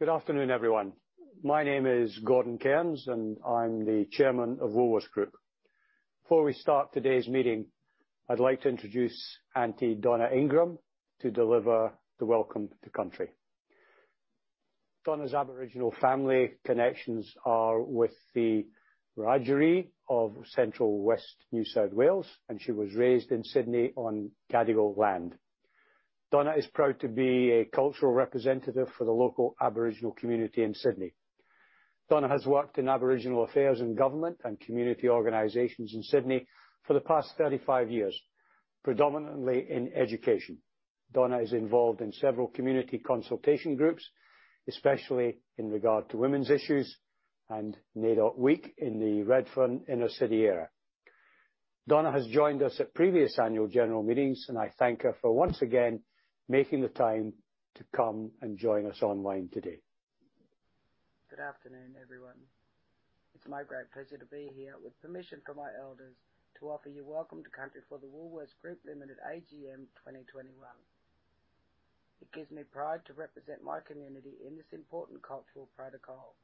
Good afternoon, everyone. My name is Gordon Cairns, and I'm the Chairman of Woolworths Group. Before we start today's meeting, I'd like to introduce Aunty Donna Ingram to deliver the welcome to country. Donna's Aboriginal family connections are with the Wiradjuri of central west New South Wales, and she was raised in Sydney on Gadigal land. Donna is proud to be a cultural representative for the local Aboriginal community in Sydney. Donna has worked in Aboriginal affairs in government and community organizations in Sydney for the past 35 years, predominantly in education. Donna is involved in several community consultation groups, especially in regard to women's issues and NAIDOC Week in the Redfern inner-city area. Donna has joined us at previous annual general meetings, and I thank her for, once again, making the time to come and join us online today. Good afternoon, everyone. It's my great pleasure to be here with permission from my Elders to offer you welcome to country for the Woolworths Group Limited AGM 2021. It gives me pride to represent my community in this important cultural protocol.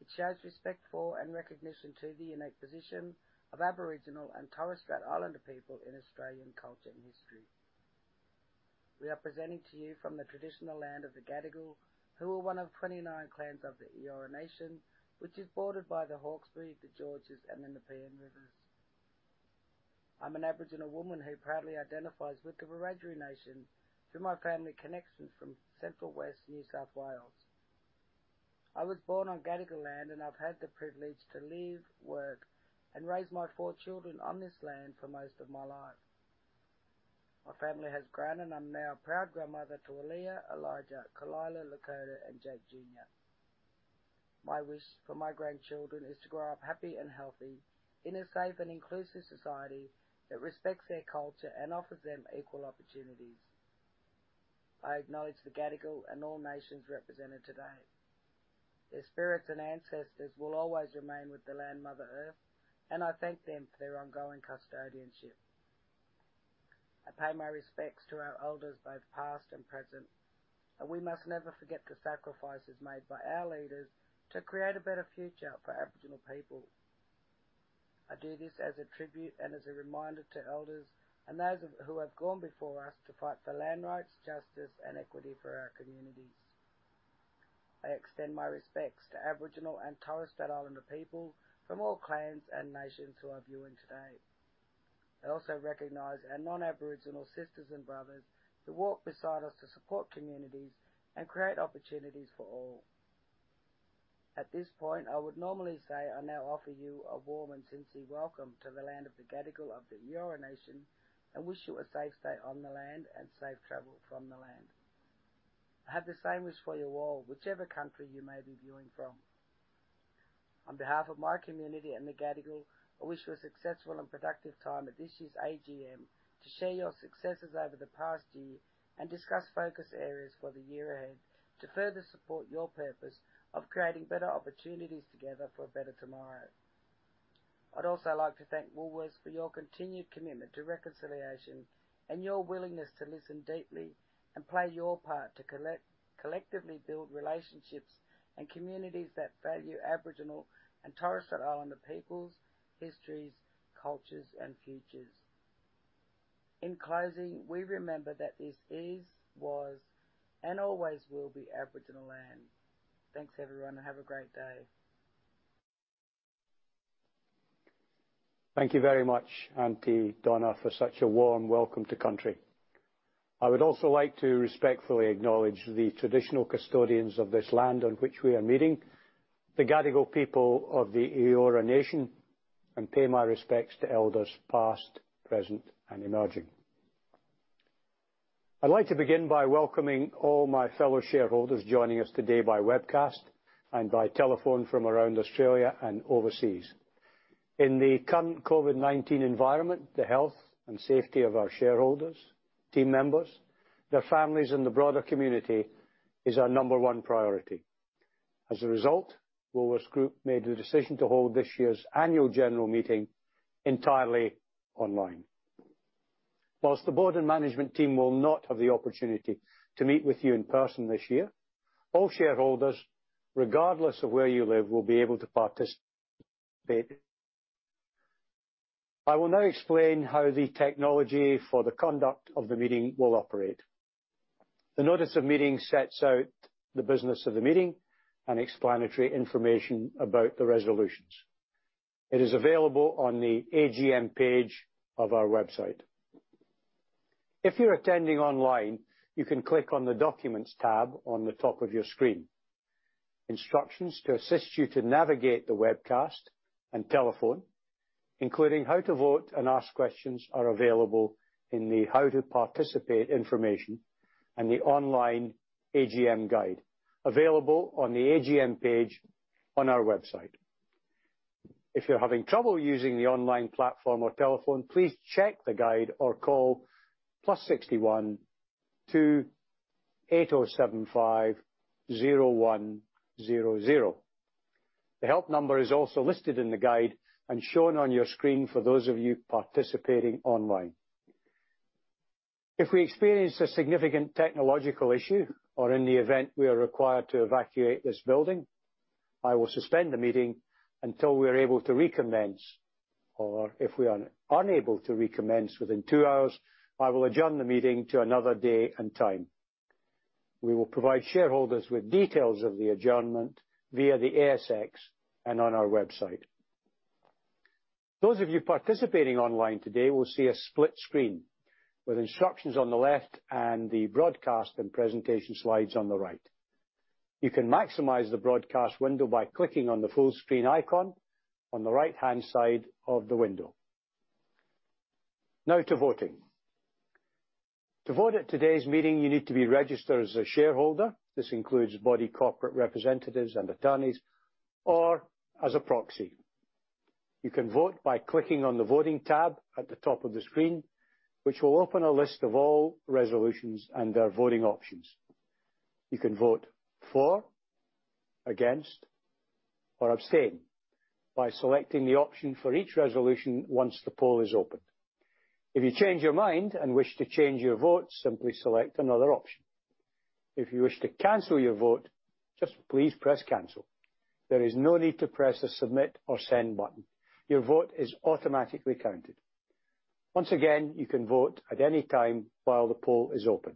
It shows respect for and recognition to the innate position of Aboriginal and Torres Strait Islander people in Australian culture and history. We are presenting to you from the traditional land of the Gadigal, who are one of twenty-nine clans of the Eora Nation, which is bordered by the Hawkesbury, the Georges, and the Nepean Rivers. I'm an Aboriginal woman who proudly identifies with the Wiradjuri nation through my family connections from central west New South Wales. I was born on Gadigal land, and I've had the privilege to live, work, and raise my four children on this land for most of my life. My family has grown, and I'm now a proud grandmother to Aaliyah, Elijah, Kalila, Lakota, and Jake Jr. My wish for my grandchildren is to grow up happy and healthy in a safe and inclusive society that respects their culture and offers them equal opportunities. I acknowledge the Gadigal and all nations represented today. Their spirits and ancestors will always remain with the land, Mother Earth, and I thank them for their ongoing custodianship. I pay my respects to our elders, both past and present, and we must never forget the sacrifices made by our leaders to create a better future for Aboriginal people. I do this as a tribute and as a reminder to elders and those who have gone before us to fight for land rights, justice, and equity for our communities. I extend my respects to Aboriginal and Torres Strait Islander people from all clans and nations who are viewing today. I also recognize our non-Aboriginal sisters and brothers who walk beside us to support communities and create opportunities for all. At this point, I would normally say I now offer you a warm and sincere welcome to the land of the Gadigal of the Eora Nation, and wish you a safe stay on the land and safe travel from the land. I have the same wish for you all, whichever country you may be viewing from. On behalf of my community and the Gadigal, I wish you a successful and productive time at this year's AGM, to share your successes over the past year and discuss focus areas for the year ahead, to further support your purpose of creating better opportunities together for a better tomorrow. I'd also like to thank Woolworths for your continued commitment to reconciliation and your willingness to listen deeply and play your part to collectively build relationships and communities that value Aboriginal and Torres Strait Islander peoples, histories, cultures, and futures. In closing, we remember that this is, was, and always will be Aboriginal land. Thanks, everyone, and have a great day. Thank you very much, Auntie Donna, for such a warm welcome to country. I would also like to respectfully acknowledge the traditional custodians of this land on which we are meeting, the Gadigal people of the Eora Nation, and pay my respects to elders past, present, and emerging. I'd like to begin by welcoming all my fellow shareholders joining us today by webcast and by telephone from around Australia and overseas. In the current COVID-19 environment, the health and safety of our shareholders, team members, their families, and the broader community is our number one priority. As a result, Woolworths Group made the decision to hold this year's annual general meeting entirely online. While the board and management team will not have the opportunity to meet with you in person this year, all shareholders, regardless of where you live, will be able to participate. I will now explain how the technology for the conduct of the meeting will operate. The notice of meeting sets out the business of the meeting and explanatory information about the resolutions. It is available on the AGM page of our website. If you're attending online, you can click on the Documents tab on the top of your screen. Instructions to assist you to navigate the webcast and telephone, including how to vote and ask questions, are available in the How to Participate information and the online AGM guide, available on the AGM page on our website. If you're having trouble using the online platform or telephone, please check the guide or call +61 2 8075 0100. The help number is also listed in the guide and shown on your screen for those of you participating online. If we experience a significant technological issue, or in the event we are required to evacuate this building, I will suspend the meeting until we are able to recommence, or if we are unable to recommence within two hours, I will adjourn the meeting to another day and time. We will provide shareholders with details of the adjournment via the ASX and on our website. Those of you participating online today will see a split screen, with instructions on the left and the broadcast and presentation slides on the right. You can maximize the broadcast window by clicking on the full screen icon on the right-hand side of the window. Now to voting. To vote at today's meeting, you need to be registered as a shareholder. This includes body corporate representatives and attorneys or as a proxy. You can vote by clicking on the Voting tab at the top of the screen, which will open a list of all resolutions and their voting options. You can vote for, against, or abstain by selecting the option for each resolution once the poll is opened. If you change your mind and wish to change your vote, simply select another option. If you wish to cancel your vote, just please press Cancel. There is no need to press the Submit or Send button. Your vote is automatically counted. Once again, you can vote at any time while the poll is open.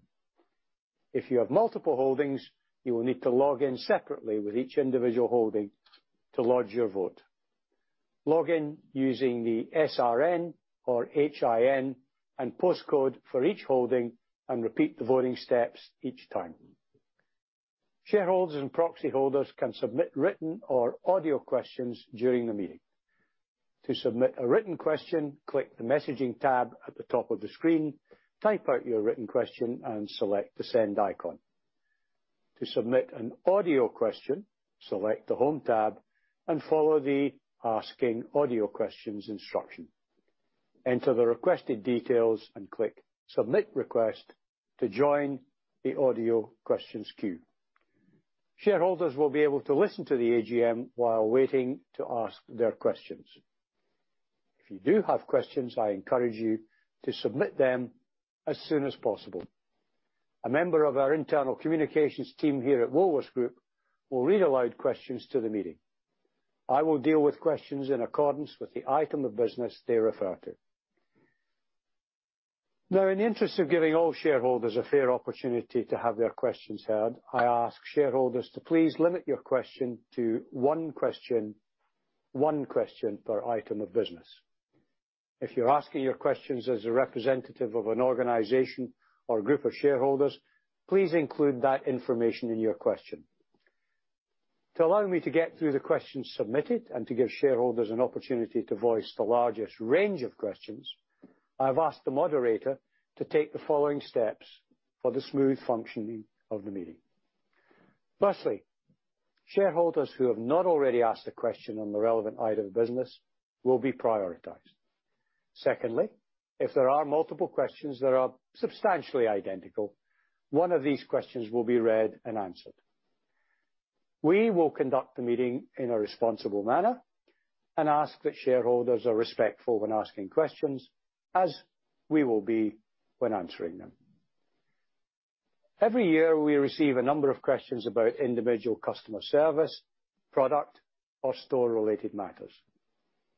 If you have multiple holdings, you will need to log in separately with each individual holding to lodge your vote. Log in using the SRN or HIN and postcode for each holding, and repeat the voting steps each time. Shareholders and proxy holders can submit written or audio questions during the meeting. To submit a written question, click the Messaging tab at the top of the screen, type out your written question, and select the Send icon. To submit an audio question, select the Home tab and follow the Asking Audio Questions instruction. Enter the requested details and click Submit Request to join the audio questions queue. Shareholders will be able to listen to the AGM while waiting to ask their questions. If you do have questions, I encourage you to submit them as soon as possible. A member of our internal communications team here at Woolworths Group will read aloud questions to the meeting. I will deal with questions in accordance with the item of business they refer to. Now, in the interest of giving all shareholders a fair opportunity to have their questions heard, I ask shareholders to please limit your question to one question, one question per item of business. If you're asking your questions as a representative of an organization or a group of shareholders, please include that information in your question. To allow me to get through the questions submitted and to give shareholders an opportunity to voice the largest range of questions, I've asked the moderator to take the following steps for the smooth functioning of the meeting. Firstly, shareholders who have not already asked a question on the relevant item of business will be prioritized. Secondly, if there are multiple questions that are substantially identical, one of these questions will be read and answered. We will conduct the meeting in a responsible manner and ask that shareholders are respectful when asking questions, as we will be when answering them. Every year, we receive a number of questions about individual customer service, product, or store-related matters.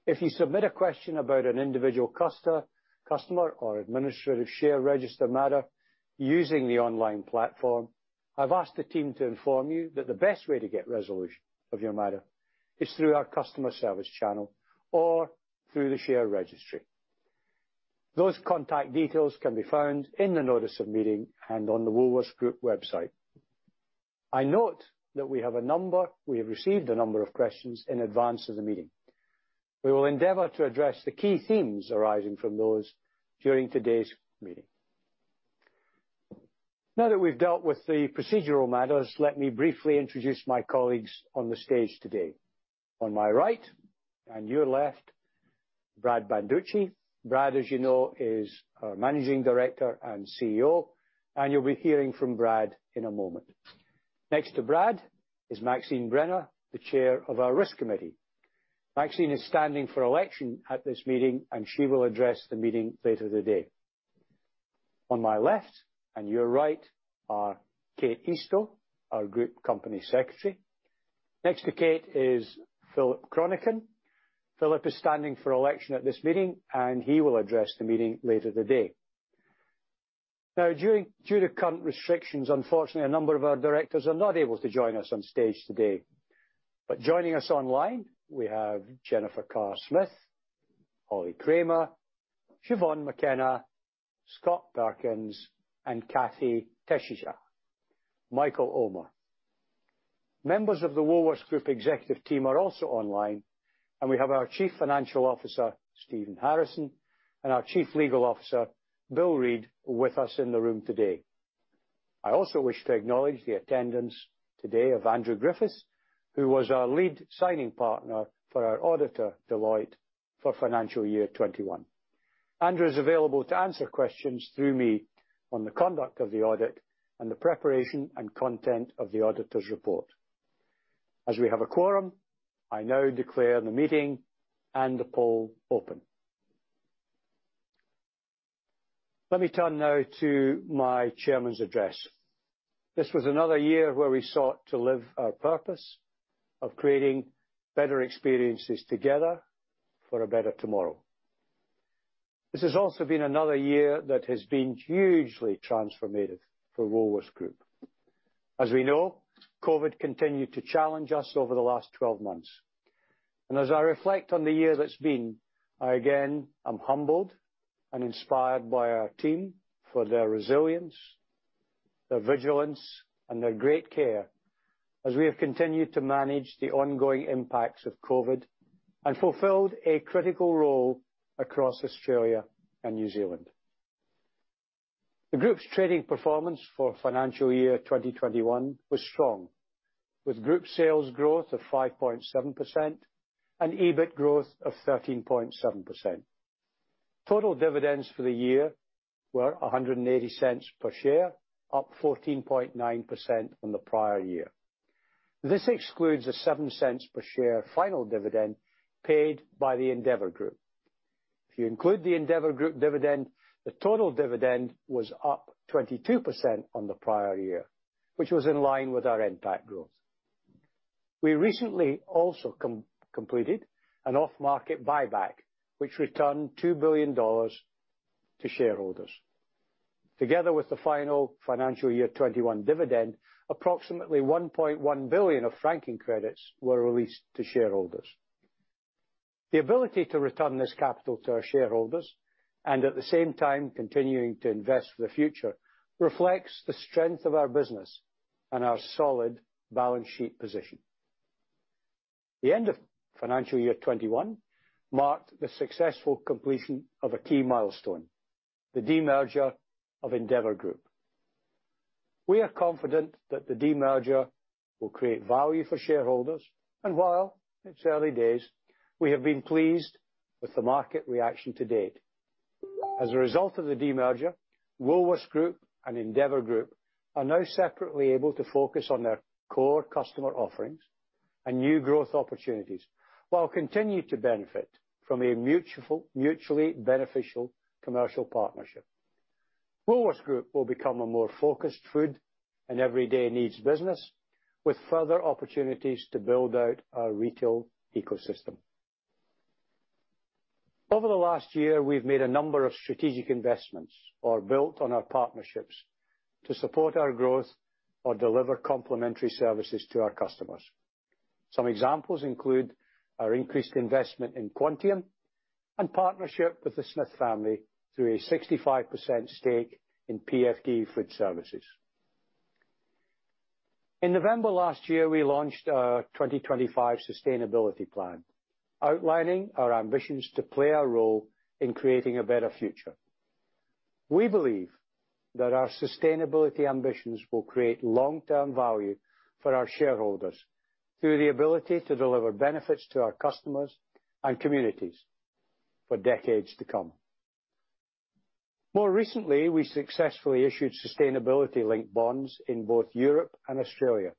If you submit a question about an individual customer or administrative share register matter using the online platform, I've asked the team to inform you that the best way to get resolution of your matter is through our customer service channel or through the share registry. Those contact details can be found in the Notice of Meeting and on the Woolworths Group website. I note that we have received a number of questions in advance of the meeting. We will endeavor to address the key themes arising from those during today's meeting. Now that we've dealt with the procedural matters, let me briefly introduce my colleagues on the stage today. On my right, and your left, Brad Banducci. Brad, as you know, is our Managing Director and CEO, and you'll be hearing from Brad in a moment. Next to Brad is Maxine Brenner, the Chair of our Risk Committee. Maxine is standing for election at this meeting, and she will address the meeting later today. On my left, and your right, are Kate Eastoe, our Group Company Secretary. Next to Kate is Philip Chronican. Philip is standing for election at this meeting, and he will address the meeting later today. Now, due to current restrictions, unfortunately, a number of our directors are not able to join us on stage today. But joining us online, we have Jennifer Carr-Smith, Holly Kramer, Siobhan McKenna, Scott Perkins, and Kathee Tesija, Michael Ullmer. Members of the Woolworths Group executive team are also online, and we have our Chief Financial Officer, Stephen Harrison, and our Chief Legal Officer, Bill Reid, with us in the room today. I also wish to acknowledge the attendance today of Andrew Griffiths, who was our lead signing partner for our auditor, Deloitte, for financial year 21. Andrew is available to answer questions through me on the conduct of the audit and the preparation and content of the auditor's report. As we have a quorum, I now declare the meeting and the poll open. Let me turn now to my chairman's address. This was another year where we sought to live our purpose of creating better experiences together for a better tomorrow. This has also been another year that has been hugely transformative for Woolworths Group. As we know, COVID continued to challenge us over the last twelve months, and as I reflect on the year that's been, I again, I'm humbled and inspired by our team for their resilience, their vigilance, and their great care as we have continued to manage the ongoing impacts of COVID and fulfilled a critical role across Australia and New Zealand. The group's trading performance for financial year 2021 was strong, with group sales growth of 5.7% and EBIT growth of 13.7%. Total dividends for the year were 180 cents per share, up 14.9% from the prior year. This excludes the seven cents per share final dividend paid by the Endeavour Group. If you include the Endeavour Group dividend, the total dividend was up 22% on the prior year, which was in line with our NPAT growth. We recently also completed an off-market buyback, which returned 2 billion dollars to shareholders. Together with the final financial year 2021 dividend, approximately 1.1 billion of franking credits were released to shareholders. The ability to return this capital to our shareholders and at the same time continuing to invest for the future, reflects the strength of our business and our solid balance sheet position. The end of financial year 2021 marked the successful completion of a key milestone, the demerger of Endeavour Group. We are confident that the demerger will create value for shareholders, and while it's early days, we have been pleased with the market reaction to date. As a result of the demerger, Woolworths Group and Endeavour Group are now separately able to focus on their core customer offerings and new growth opportunities, while continue to benefit from a mutually beneficial commercial partnership. Woolworths Group will become a more focused food and everyday needs business, with further opportunities to build out our retail ecosystem. Over the last year, we've made a number of strategic investments or built on our partnerships to support our growth or deliver complementary services to our customers. Some examples include our increased investment in Quantium and partnership with the Smith family through a 65% stake in PFD Food Services. In November last year, we launched our 2025 sustainability plan, outlining our ambitions to play a role in creating a better future. We believe that our sustainability ambitions will create long-term value for our shareholders through the ability to deliver benefits to our customers and communities for decades to come. More recently, we successfully issued sustainability-linked bonds in both Europe and Australia.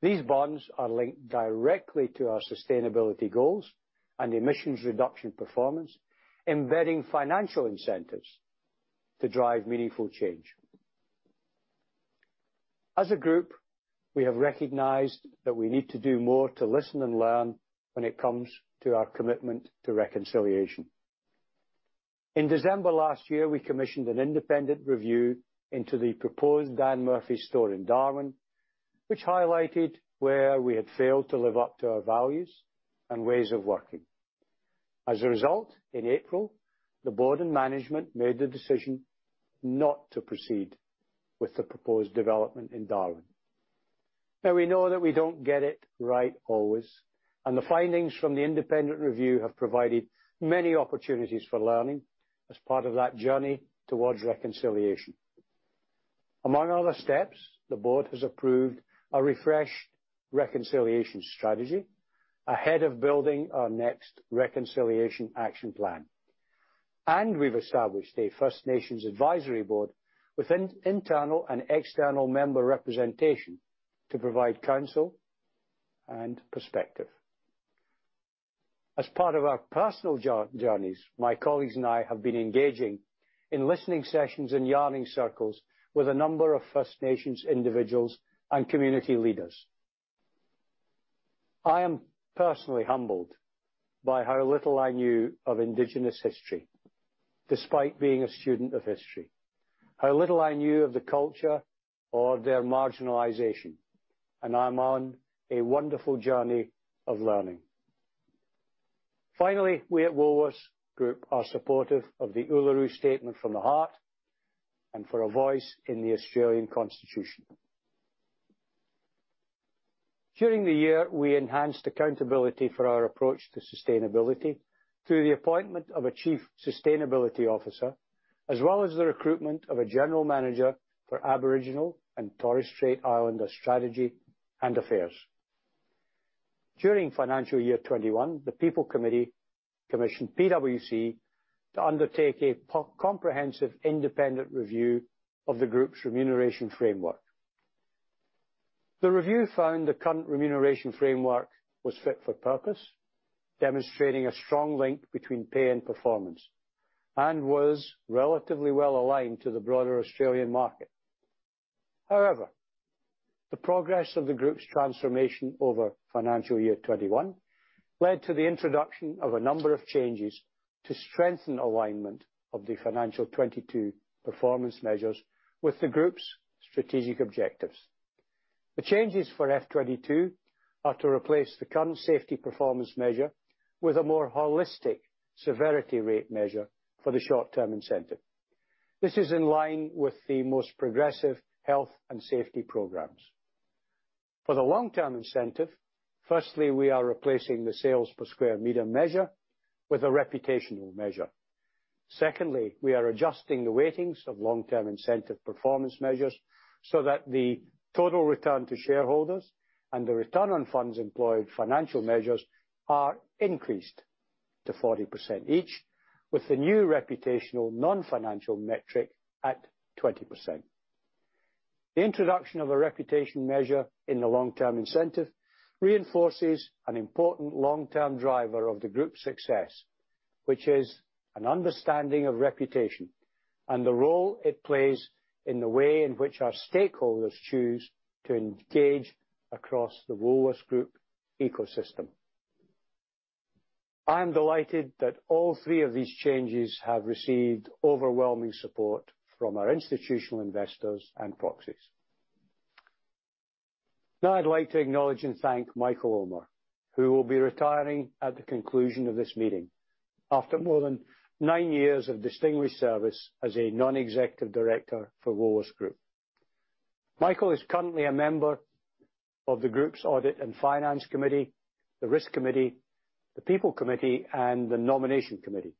These bonds are linked directly to our sustainability goals and emissions reduction performance, embedding financial incentives to drive meaningful change. As a group, we have recognized that we need to do more to listen and learn when it comes to our commitment to reconciliation. In December last year, we commissioned an independent review into the proposed Dan Murphy's store in Darwin, which highlighted where we had failed to live up to our values and ways of working. As a result, in April, the board and management made the decision not to proceed with the proposed development in Darwin. Now, we know that we don't get it right always, and the findings from the independent review have provided many opportunities for learning as part of that journey towards reconciliation. Among other steps, the board has approved a refreshed reconciliation strategy ahead of building our next Reconciliation Action Plan, and we've established a First Nations Advisory Board with internal and external member representation to provide counsel and perspective. As part of our personal journeys, my colleagues and I have been engaging in listening sessions and yarning circles with a number of First Nations individuals and community leaders. I am personally humbled by how little I knew of Indigenous history, despite being a student of history, how little I knew of the culture or their marginalization, and I'm on a wonderful journey of learning. Finally, we at Woolworths Group are supportive of the Uluru Statement from the Heart and for a voice in the Australian Constitution. During the year, we enhanced accountability for our approach to sustainability through the appointment of a Chief Sustainability Officer, as well as the recruitment of a general manager for Aboriginal and Torres Strait Islander strategy and affairs. During financial year 21, the People Committee commissioned PwC to undertake a comprehensive, independent review of the group's remuneration framework. The review found the current remuneration framework was fit for purpose, demonstrating a strong link between pay and performance, and was relatively well aligned to the broader Australian market. However, the progress of the group's transformation over financial year 21 led to the introduction of a number of changes to strengthen alignment of the FY22 performance measures with the group's strategic objectives. The changes for F22 are to replace the current safety performance measure with a more holistic severity rate measure for the short-term incentive. This is in line with the most progressive health and safety programs. For the long-term incentive, firstly, we are replacing the sales per square meter measure with a reputational measure. Secondly, we are adjusting the weightings of long-term incentive performance measures so that the total return to shareholders and the return on funds employed financial measures are increased to 40% each, with the new reputational non-financial metric at 20%. The introduction of a reputation measure in the long-term incentive reinforces an important long-term driver of the group's success, which is an understanding of reputation and the role it plays in the way in which our stakeholders choose to engage across the Woolworths Group ecosystem. I am delighted that all three of these changes have received overwhelming support from our institutional investors and proxies. Now, I'd like to acknowledge and thank Michael Ullmer, who will be retiring at the conclusion of this meeting after more than nine years of distinguished service as a non-executive director for Woolworths Group. Michael is currently a member of the group's Audit and Finance Committee, the Risk Committee, the People Committee, and the Nomination Committee.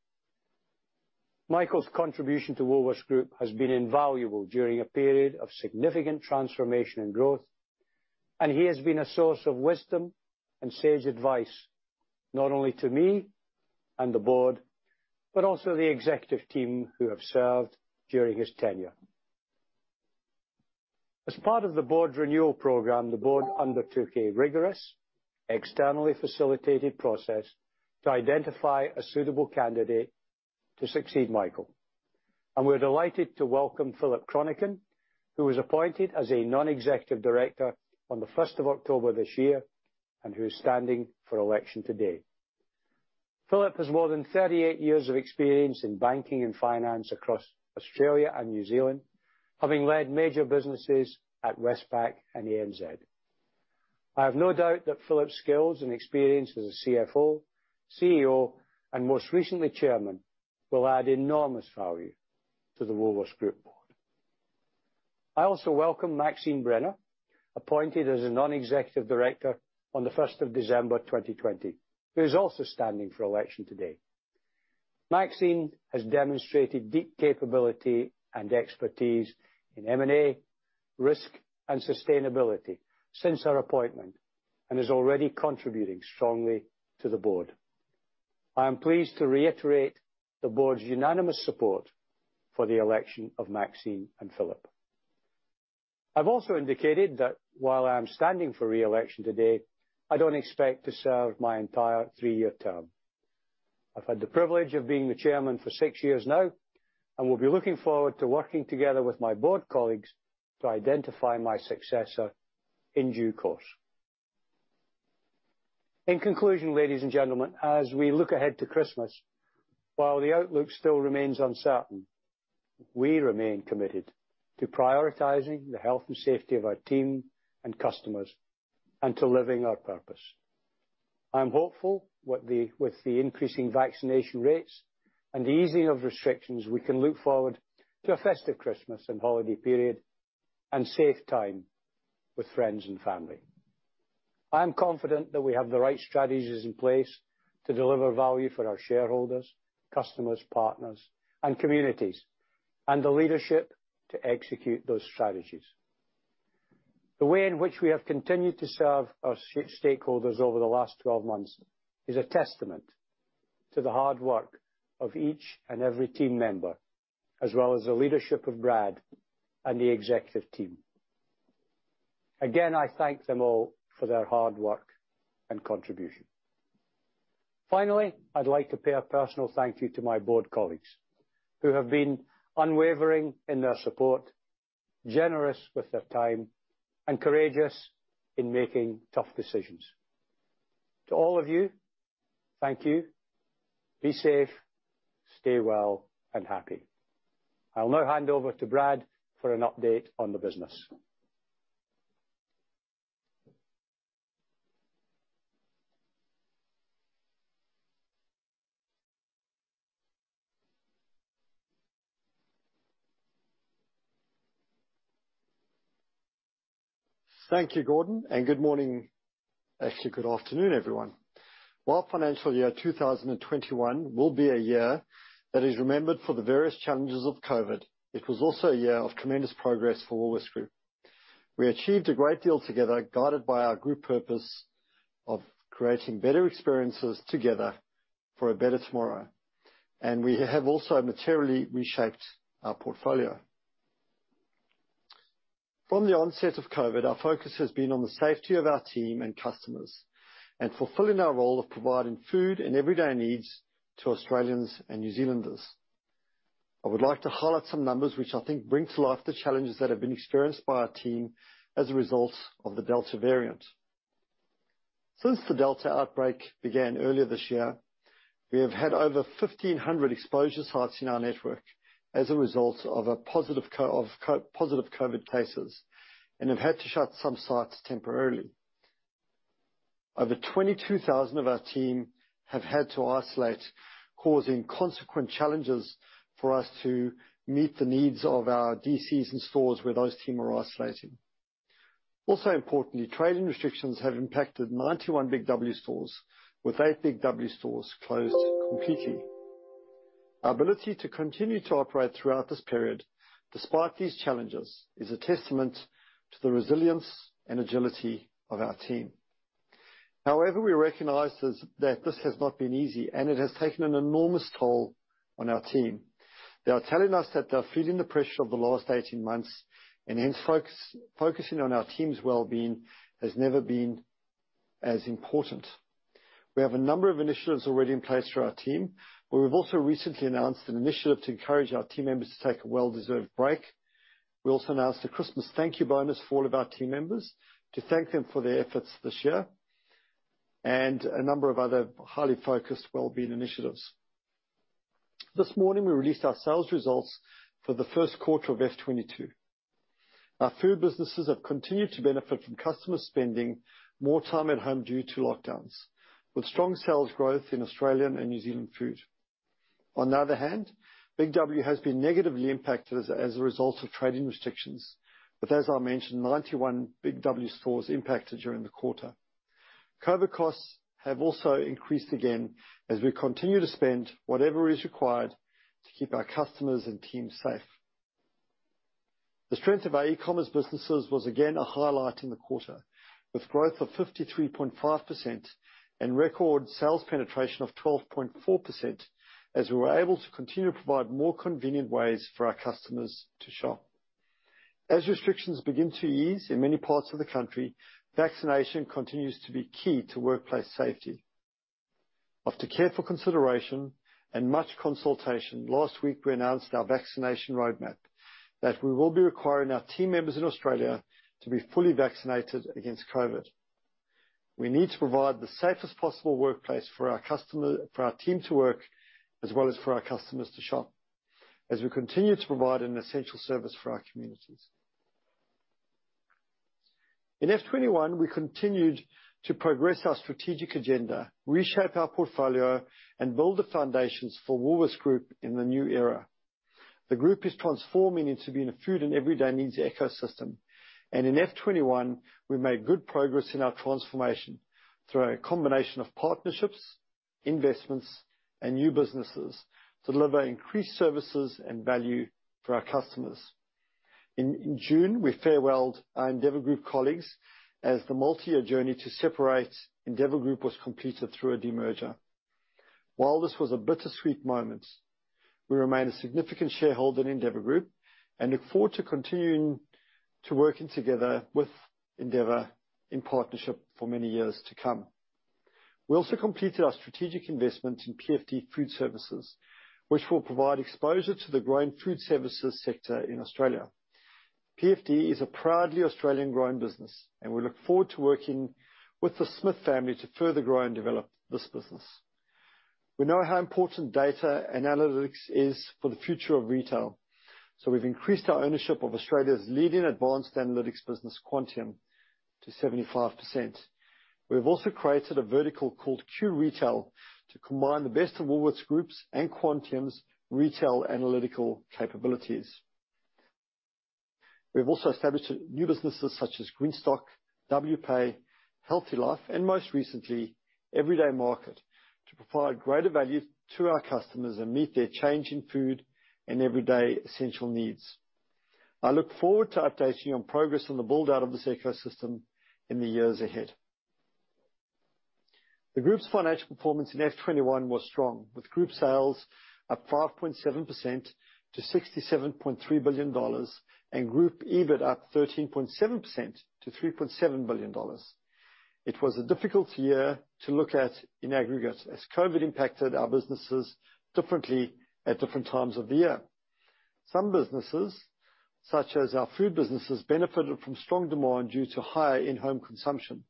Michael's contribution to Woolworths Group has been invaluable during a period of significant transformation and growth, and he has been a source of wisdom and sage advice, not only to me and the board, but also the executive team who have served during his tenure. As part of the board's renewal program, the board undertook a rigorous, externally facilitated process to identify a suitable candidate to succeed Michael, and we're delighted to welcome Philip Chronican, who was appointed as a non-executive director on the first of October this year and who is standing for election today. Philip has more than 38 years of experience in banking and finance across Australia and New Zealand, having led major businesses at Westpac and ANZ. I have no doubt that Philip's skills and experience as a CFO, CEO, and most recently, chairman, will add enormous value to the Woolworths Group board. I also welcome Maxine Brenner, appointed as a non-executive director on the first of December 2020, who is also standing for election today. Maxine has demonstrated deep capability and expertise in M&A, risk, and sustainability since her appointment, and is already contributing strongly to the board. I am pleased to reiterate the board's unanimous support for the election of Maxine and Philip. I've also indicated that while I am standing for re-election today, I don't expect to serve my entire 3 year term. I've had the privilege of being the chairman for six years now and will be looking forward to working together with my board colleagues to identify my successor in due course. In conclusion, ladies and gentlemen, as we look ahead to Christmas, while the outlook still remains uncertain, we remain committed to prioritizing the health and safety of our team and customers and to living our purpose. I'm hopeful with the increasing vaccination rates and the easing of restrictions, we can look forward to a festive Christmas and holiday period and safe time with friends and family. I am confident that we have the right strategies in place to deliver value for our shareholders, customers, partners, and communities, and the leadership to execute those strategies. The way in which we have continued to serve our stakeholders over the last twelve months is a testament to the hard work of each and every team member, as well as the leadership of Brad and the executive team. Again, I thank them all for their hard work and contribution. Finally, I'd like to pay a personal thank you to my board colleagues, who have been unwavering in their support, generous with their time, and courageous in making tough decisions. To all of you: thank you. Be safe, stay well, and happy. I'll now hand over to Brad for an update on the business. Thank you, Gordon, and good morning, actually, good afternoon, everyone. While financial year 2021 will be a year that is remembered for the various challenges of COVID, it was also a year of tremendous progress for Woolworths Group. We achieved a great deal together, guided by our group purpose of creating better experiences together for a better tomorrow, and we have also materially reshaped our portfolio. From the onset of COVID, our focus has been on the safety of our team and customers, and fulfilling our role of providing food and everyday needs to Australians and New Zealanders. I would like to highlight some numbers which I think bring to life the challenges that have been experienced by our team as a result of the Delta variant. Since the Delta outbreak began earlier this year, we have had over 1,500 exposure sites in our network as a result of positive COVID cases, and have had to shut some sites temporarily. Over 22,000 of our team have had to isolate, causing consequent challenges for us to meet the needs of our DCs and stores where those team are isolating. Also importantly, trading restrictions have impacted 91 Big W stores, with 8 Big W stores closed completely. Our ability to continue to operate throughout this period, despite these challenges, is a testament to the resilience and agility of our team. However, we recognize that this has not been easy, and it has taken an enormous toll on our team. They are telling us that they're feeling the pressure of the last eighteen months, and hence focusing on our team's wellbeing has never been as important. We have a number of initiatives already in place for our team, but we've also recently announced an initiative to encourage our team members to take a well-deserved break. We also announced a Christmas thank you bonus for all of our team members, to thank them for their efforts this year, and a number of other highly focused wellbeing initiatives. This morning, we released our sales results for the first quarter of F 22. Our food businesses have continued to benefit from customer spending more time at home due to lockdowns, with strong sales growth in Australian and New Zealand food. On the other hand, Big W has been negatively impacted as a result of trading restrictions, with, as I mentioned, 91 Big W stores impacted during the quarter. COVID costs have also increased again as we continue to spend whatever is required to keep our customers and team safe. The strength of our e-commerce businesses was again a highlight in the quarter, with growth of 53.5% and record sales penetration of 12.4%, as we were able to continue to provide more convenient ways for our customers to shop. As restrictions begin to ease in many parts of the country, vaccination continues to be key to workplace safety. After careful consideration and much consultation, last week, we announced our vaccination roadmap, that we will be requiring our team members in Australia to be fully vaccinated against COVID. We need to provide the safest possible workplace for our customers, for our team to work, as well as for our customers to shop, as we continue to provide an essential service for our communities. In FY 2021, we continued to progress our strategic agenda, reshape our portfolio, and build the foundations for Woolworths Group in the new era. The group is transforming into being a food and everyday needs ecosystem, and in FY 2021, we made good progress in our transformation through a combination of partnerships, investments, and new businesses to deliver increased services and value for our customers. In June, we farewelled our Endeavour Group colleagues as the multi-year journey to separate Endeavour Group was completed through a demerger. While this was a bittersweet moment, we remain a significant shareholder in Endeavour Group and look forward to continuing to working together with Endeavour in partnership for many years to come. We also completed our strategic investment in PFD Food Services, which will provide exposure to the growing food services sector in Australia. PFD is a proudly Australian-grown business, and we look forward to working with the Smith family to further grow and develop this business. We know how important data analytics is for the future of retail, so we've increased our ownership of Australia's leading advanced analytics business, Quantium, to 75%. We've also created a vertical called Q-Retail to combine the best of Woolworths Group's and Quantium's retail analytical capabilities. We've also established new businesses such as Greenstock, Wpay, HealthyLife, and most recently, Everyday Market, to provide greater value to our customers and meet their changing food and everyday essential needs. I look forward to updating you on progress on the build-out of this ecosystem in the years ahead. The group's financial performance in FY 2021 was strong, with group sales up 5.7% to AUD 67.3 billion and group EBIT up 13.7% to AUD 3.7 billion. It was a difficult year to look at in aggregate, as COVID impacted our businesses differently at different times of the year. Some businesses, such as our food businesses, benefited from strong demand due to higher in-home consumption,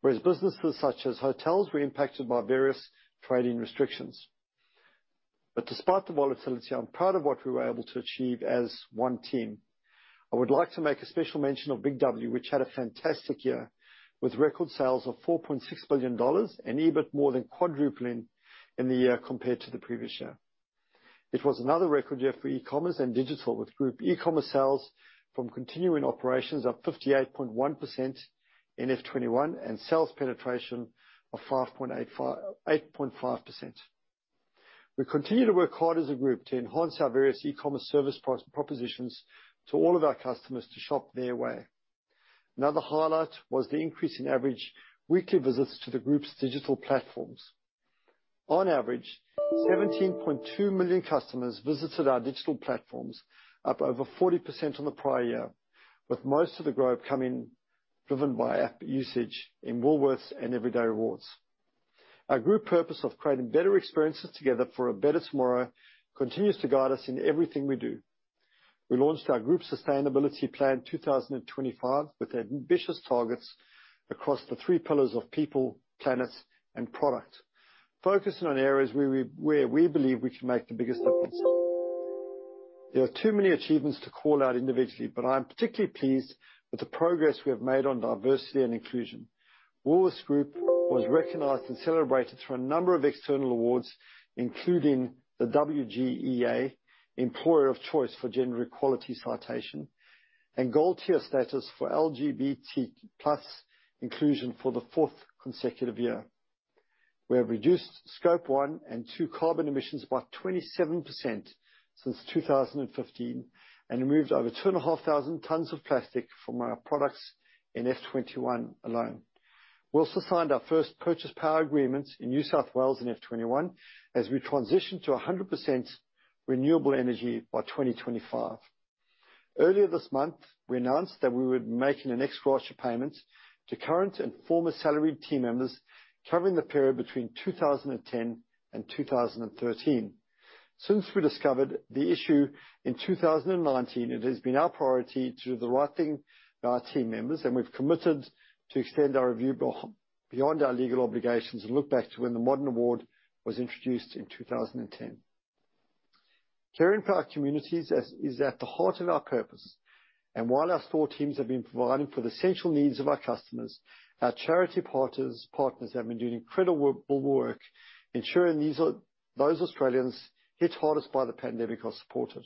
whereas businesses such as hotels were impacted by various trading restrictions. But despite the volatility, I'm proud of what we were able to achieve as one team. I would like to make a special mention of Big W, which had a fantastic year, with record sales of 4.6 billion dollars and EBIT more than quadrupling in the year compared to the previous year. It was another record year for e-commerce and digital, with group e-commerce sales from continuing operations up 58.1% in F21, and sales penetration of 8.5%. We continue to work hard as a group to enhance our various e-commerce service propositions to all of our customers to shop their way. Another highlight was the increase in average weekly visits to the group's digital platforms. On average, 17.2 million customers visited our digital platforms, up over 40% on the prior year, with most of the growth coming driven by app usage in Woolworths and Everyday Rewards. Our group purpose of creating better experiences together for a better tomorrow continues to guide us in everything we do. We launched our Group Sustainability Plan 2025, with ambitious targets across the three pillars of people, planet, and product, focusing on areas where we believe we can make the biggest difference. There are too many achievements to call out individually, but I'm particularly pleased with the progress we have made on diversity and inclusion. Woolworths Group was recognized and celebrated through a number of external awards, including the WGEA Employer of Choice for Gender Equality citation and Gold Tier status for LGBT+ inclusion for the fourth consecutive year. We have reduced Scope 1 and 2 carbon emissions by 27% since 2015 and removed over 2,500 tons of plastic from our products in F21 alone. We also signed our first power purchase agreements in New South Wales in F21, as we transition to 100% renewable energy by 2025. Earlier this month, we announced that we would be making an ex-gratia payment to current and former salaried team members covering the period between 2010 and 2013. Since we discovered the issue in 2019, it has been our priority to do the right thing by our team members, and we've committed to extend our review beyond our legal obligations and look back to when the modern award was introduced in 2010. Caring for our communities is at the heart of our purpose, and while our store teams have been providing for the essential needs of our customers, our charity partners have been doing incredible work ensuring those Australians hit hardest by the pandemic are supported.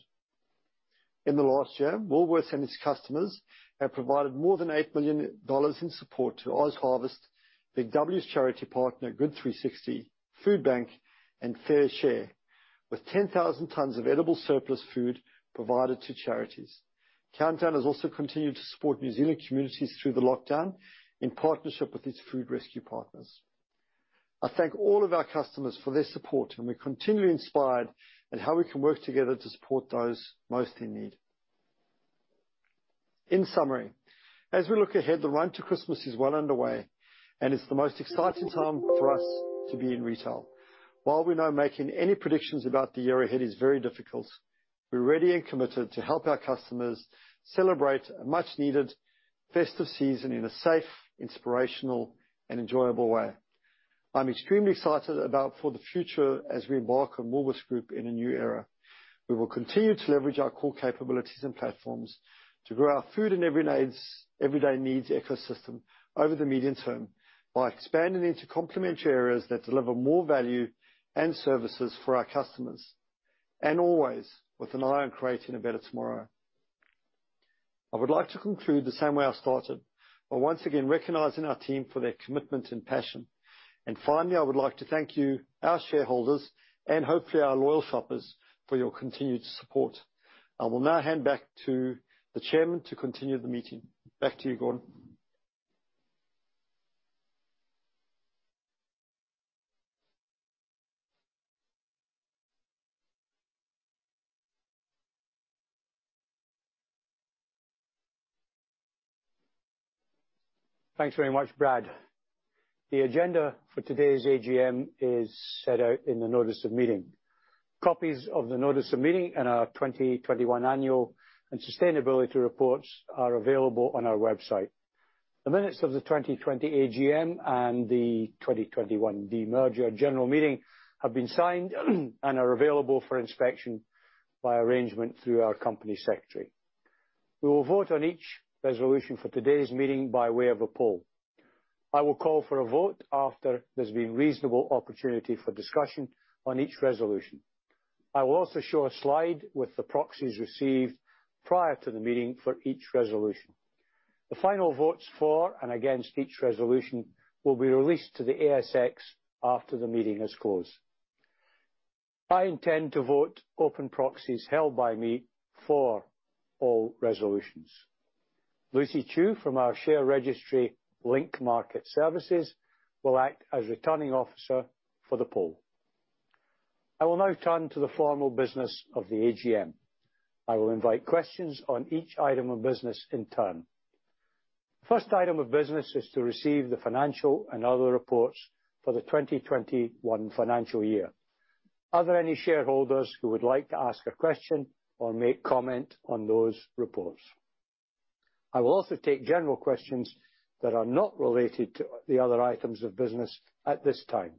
In the last year, Woolworths and its customers have provided more than 8 million dollars in support to OzHarvest, Big W's charity partner, Good360, Foodbank, and FareShare, with 10,000 tons of edible surplus food provided to charities. Countdown has also continued to support New Zealand communities through the lockdown in partnership with its food rescue partners. I thank all of our customers for their support, and we're continually inspired at how we can work together to support those most in need. In summary, as we look ahead, the run to Christmas is well underway, and it's the most exciting time for us to be in retail. While we know making any predictions about the year ahead is very difficult, we're ready and committed to help our customers celebrate a much-needed festive season in a safe, inspirational, and enjoyable way. I'm extremely excited about for the future as we embark on Woolworths Group in a new era. We will continue to leverage our core capabilities and platforms to grow our food and everyday needs, everyday needs ecosystem over the medium term by expanding into complementary areas that deliver more value and services for our customers, and always with an eye on creating a better tomorrow. I would like to conclude the same way I started, by once again recognizing our team for their commitment and passion. Finally, I would like to thank you, our shareholders, and hopefully our loyal shoppers, for your continued support. I will now hand back to the Chairman to continue the meeting. Back to you, Gordon. Thanks very much, Brad. The agenda for today's AGM is set out in the notice of meeting. Copies of the notice of meeting and our 2021 annual and sustainability reports are available on our website. The minutes of the twenty twenty AGM and the 2021 demerger general meeting have been signed and are available for inspection by arrangement through our company secretary. We will vote on each resolution for today's meeting by way of a poll. I will call for a vote after there's been reasonable opportunity for discussion on each resolution. I will also show a slide with the proxies received prior to the meeting for each resolution. The final votes for and against each resolution will be released to the ASX after the meeting has closed. I intend to vote open proxies held by me for all resolutions. Lucy Chiu, from our share registry, Link Market Services, will act as Returning Officer for the poll. I will now turn to the formal business of the AGM. I will invite questions on each item of business in turn. First item of business is to receive the financial and other reports for the 2021 financial year. Are there any shareholders who would like to ask a question or make comment on those reports? I will also take general questions that are not related to the other items of business at this time.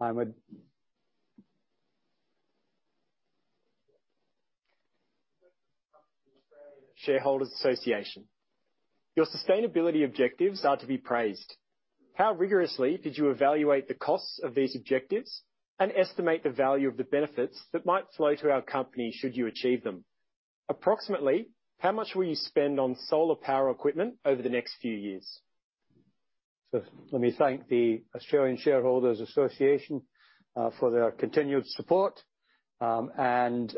I would...Australian Shareholders' Association: Your sustainability objectives are to be praised. How rigorously did you evaluate the costs of these objectives and estimate the value of the benefits that might flow to our company, should you achieve them? Approximately, how much will you spend on solar power equipment over the next few years? Let me thank the Australian Shareholders' Association for their continued support and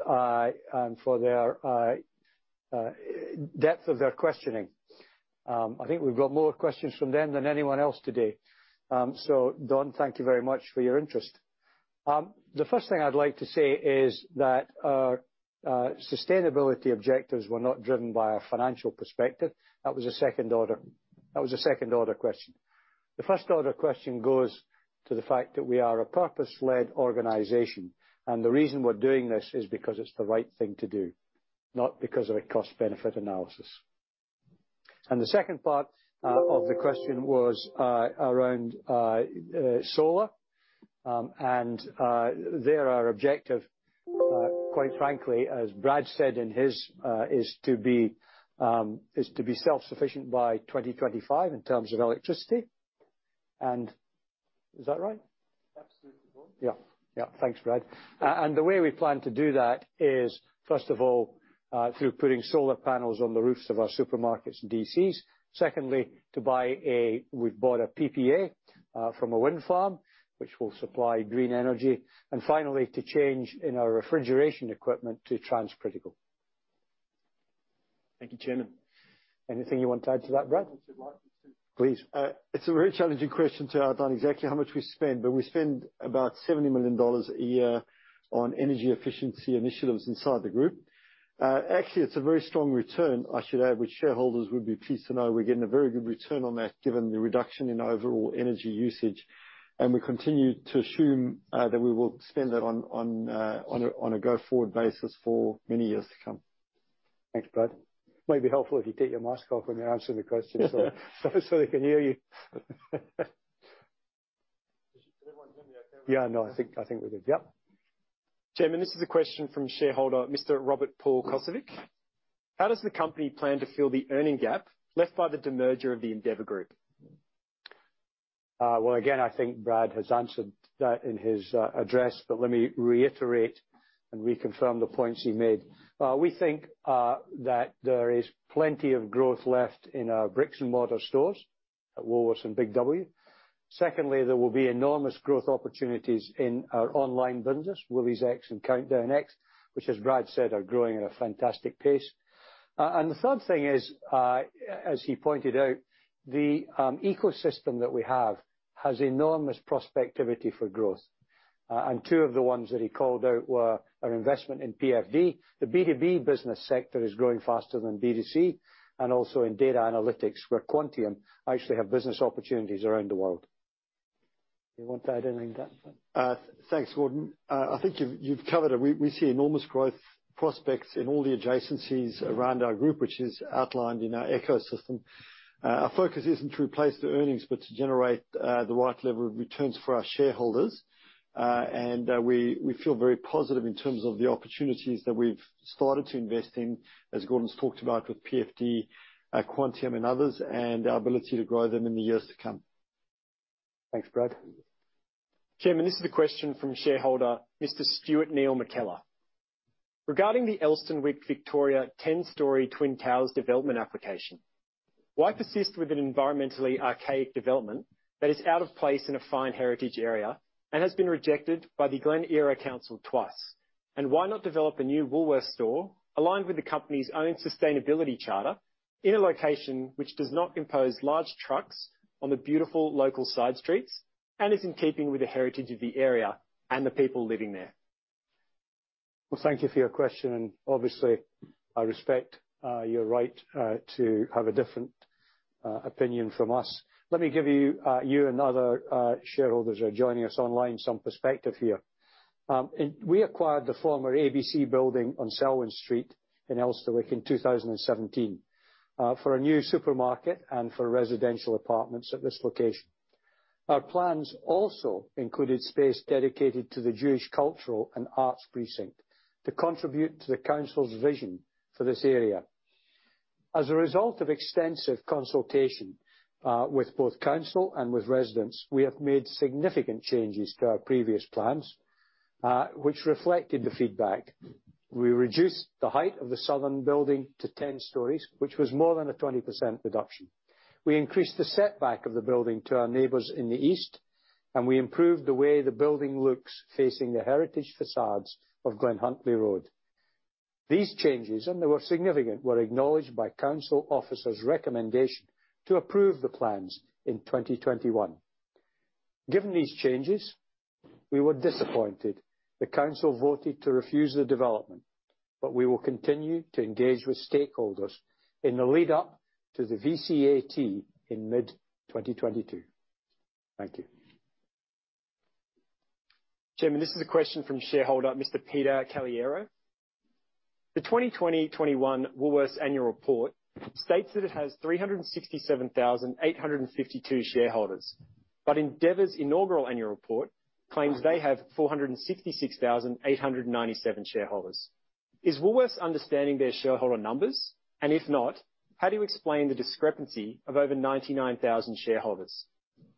for the depth of their questioning. I think we've got more questions from them than anyone else today, so Don, thank you very much for your interest. The first thing I'd like to say is that our sustainability objectives were not driven by a financial perspective. That was a second order, that was a second-order question. The first-order question goes to the fact that we are a purpose-led organization, and the reason we're doing this is because it's the right thing to do, not because of a cost-benefit analysis, and the second part of the question was around solar, and there our objective quite frankly, as Brad said in his... Is to be self-sufficient by 2025 in terms of electricity, and is that right? Absolutely. Yeah. Yeah. Thanks, Brad. And the way we plan to do that is, first of all, through putting solar panels on the roofs of our supermarkets and DCs. Secondly, we've bought a PPA from a wind farm, which will supply green energy. And finally, to change in our refrigeration equipment to transcritical. Thank you, Chairman. Anything you want to add to that, Brad? If you'd like me to. Please. It's a very challenging question to outline exactly how much we spend, but we spend about 70 million dollars a year on energy efficiency initiatives inside the group. Actually, it's a very strong return, I should add, which shareholders would be pleased to know we're getting a very good return on that, given the reduction in overall energy usage, and we continue to assume that we will spend that on a go-forward basis for many years to come. Thanks, Brad. Might be helpful if you take your mask off when you're answering the question, so they can hear you. Can everyone hear me okay? Yeah, no, I think, I think we did. Yep. Chairman, this is a question from shareholder Mr. Robert Paul Kosovic: How does the company plan to fill the earnings gap left by the demerger of the Endeavour Group? Well, again, I think Brad has answered that in his address, but let me reiterate and reconfirm the points he made. We think that there is plenty of growth left in our bricks and mortar stores at Woolworths and Big W. Secondly, there will be enormous growth opportunities in our online business, WooliesX and CountdownX, which, as Brad said, are growing at a fantastic pace. And the third thing is, as he pointed out, the ecosystem that we have has enormous prospectivity for growth, and two of the ones that he called out were our investment in PFD. The B2B business sector is growing faster than B2C, and also in data analytics, where Quantium actually have business opportunities around the world. Do you want to add anything to that? Thanks, Gordon. I think you've covered it. We see enormous growth prospects in all the adjacencies around our group, which is outlined in our ecosystem. Our focus isn't to replace the earnings, but to generate the right level of returns for our shareholders. We feel very positive in terms of the opportunities that we've started to invest in, as Gordon's talked about, with PFD, Quantium and others, and our ability to grow them in the years to come. Thanks, Brad. Chairman, this is a question from shareholder Mr. Stuart Neil McKellar: Regarding the Elsternwick, Victoria, ten-story twin towers development application, why persist with an environmentally archaic development that is out of place in a fine heritage area and has been rejected by the Glen Eira Council twice? And why not develop a new Woolworths store aligned with the company's own sustainability charter, in a location which does not impose large trucks on the beautiful local side streets and is in keeping with the heritage of the area and the people living there? Thank you for your question, and obviously, I respect your right to have a different opinion from us. Let me give you and other shareholders that are joining us online some perspective here. We acquired the former ABC building on Selwyn Street in Elsternwick in 2017 for a new supermarket and for residential apartments at this location. Our plans also included space dedicated to the Jewish Cultural and Arts Precinct, to contribute to the council's vision for this area. As a result of extensive consultation with both council and with residents, we have made significant changes to our previous plans, which reflected the feedback. We reduced the height of the southern building to 10 stories, which was more than a 20% reduction. We increased the setback of the building to our neighbors in the east, and we improved the way the building looks facing the heritage facades of Glen Huntly Road. These changes, and they were significant, were acknowledged by council officers' recommendation to approve the plans in 2021. Given these changes, we were disappointed the council voted to refuse the development, but we will continue to engage with stakeholders in the lead up to the VCAT in mid-2022. Thank you. Chairman, this is a question from shareholder Mr. Peter Caliendo: The 2021 Woolworths annual report states that it has 367,852 shareholders, but Endeavour's inaugural annual report claims they have 466,897 shareholders. Is Woolworths understanding their shareholder numbers? And if not, how do you explain the discrepancy of over 99,000 shareholders?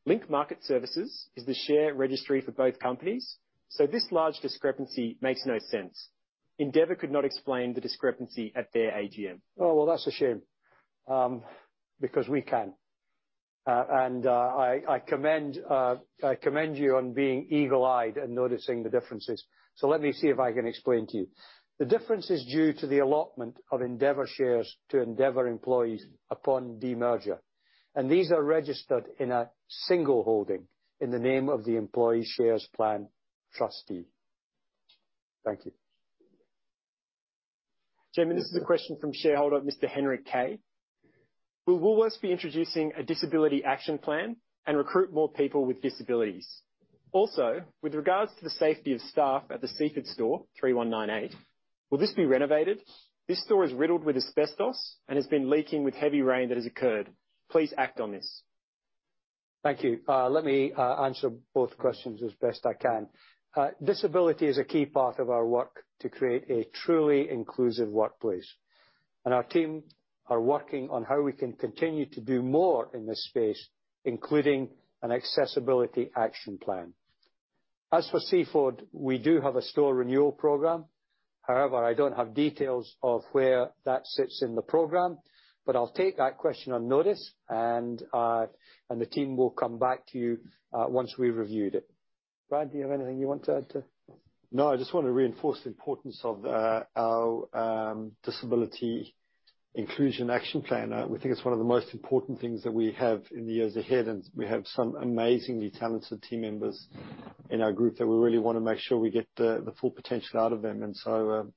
Link Market Services is the share registry for both companies, so this large discrepancy makes no sense. Endeavour could not explain the discrepancy at their AGM. Oh, well, that's a shame, because we can. I commend you on being eagle-eyed and noticing the differences. So let me see if I can explain to you. The difference is due to the allotment of Endeavour shares to Endeavour employees upon demerger, and these are registered in a single holding in the name of the employee shares plan trustee. Thank you. Chairman, this is a question from shareholder Mr. Henrik Kay: Will Woolworths be introducing a disability action plan and recruit more people with disabilities? Also, with regards to the safety of staff at the Seaford store, 3198, will this be renovated? This store is riddled with asbestos and has been leaking with heavy rain that has occurred. Please act on this. Thank you. Let me answer both questions as best I can. Disability is a key part of our work to create a truly inclusive workplace, and our team are working on how we can continue to do more in this space, including an accessibility action plan. As for Seaford, we do have a store renewal program. However, I don't have details of where that sits in the program, but I'll take that question on notice, and the team will come back to you once we've reviewed it. Brad, do you have anything you want to add to...? No, I just want to reinforce the importance of our Disability Inclusion Action Plan. We think it's one of the most important things that we have in the years ahead, and we have some amazingly talented team members in our group that we really want to make sure we get the full potential out of them. And so,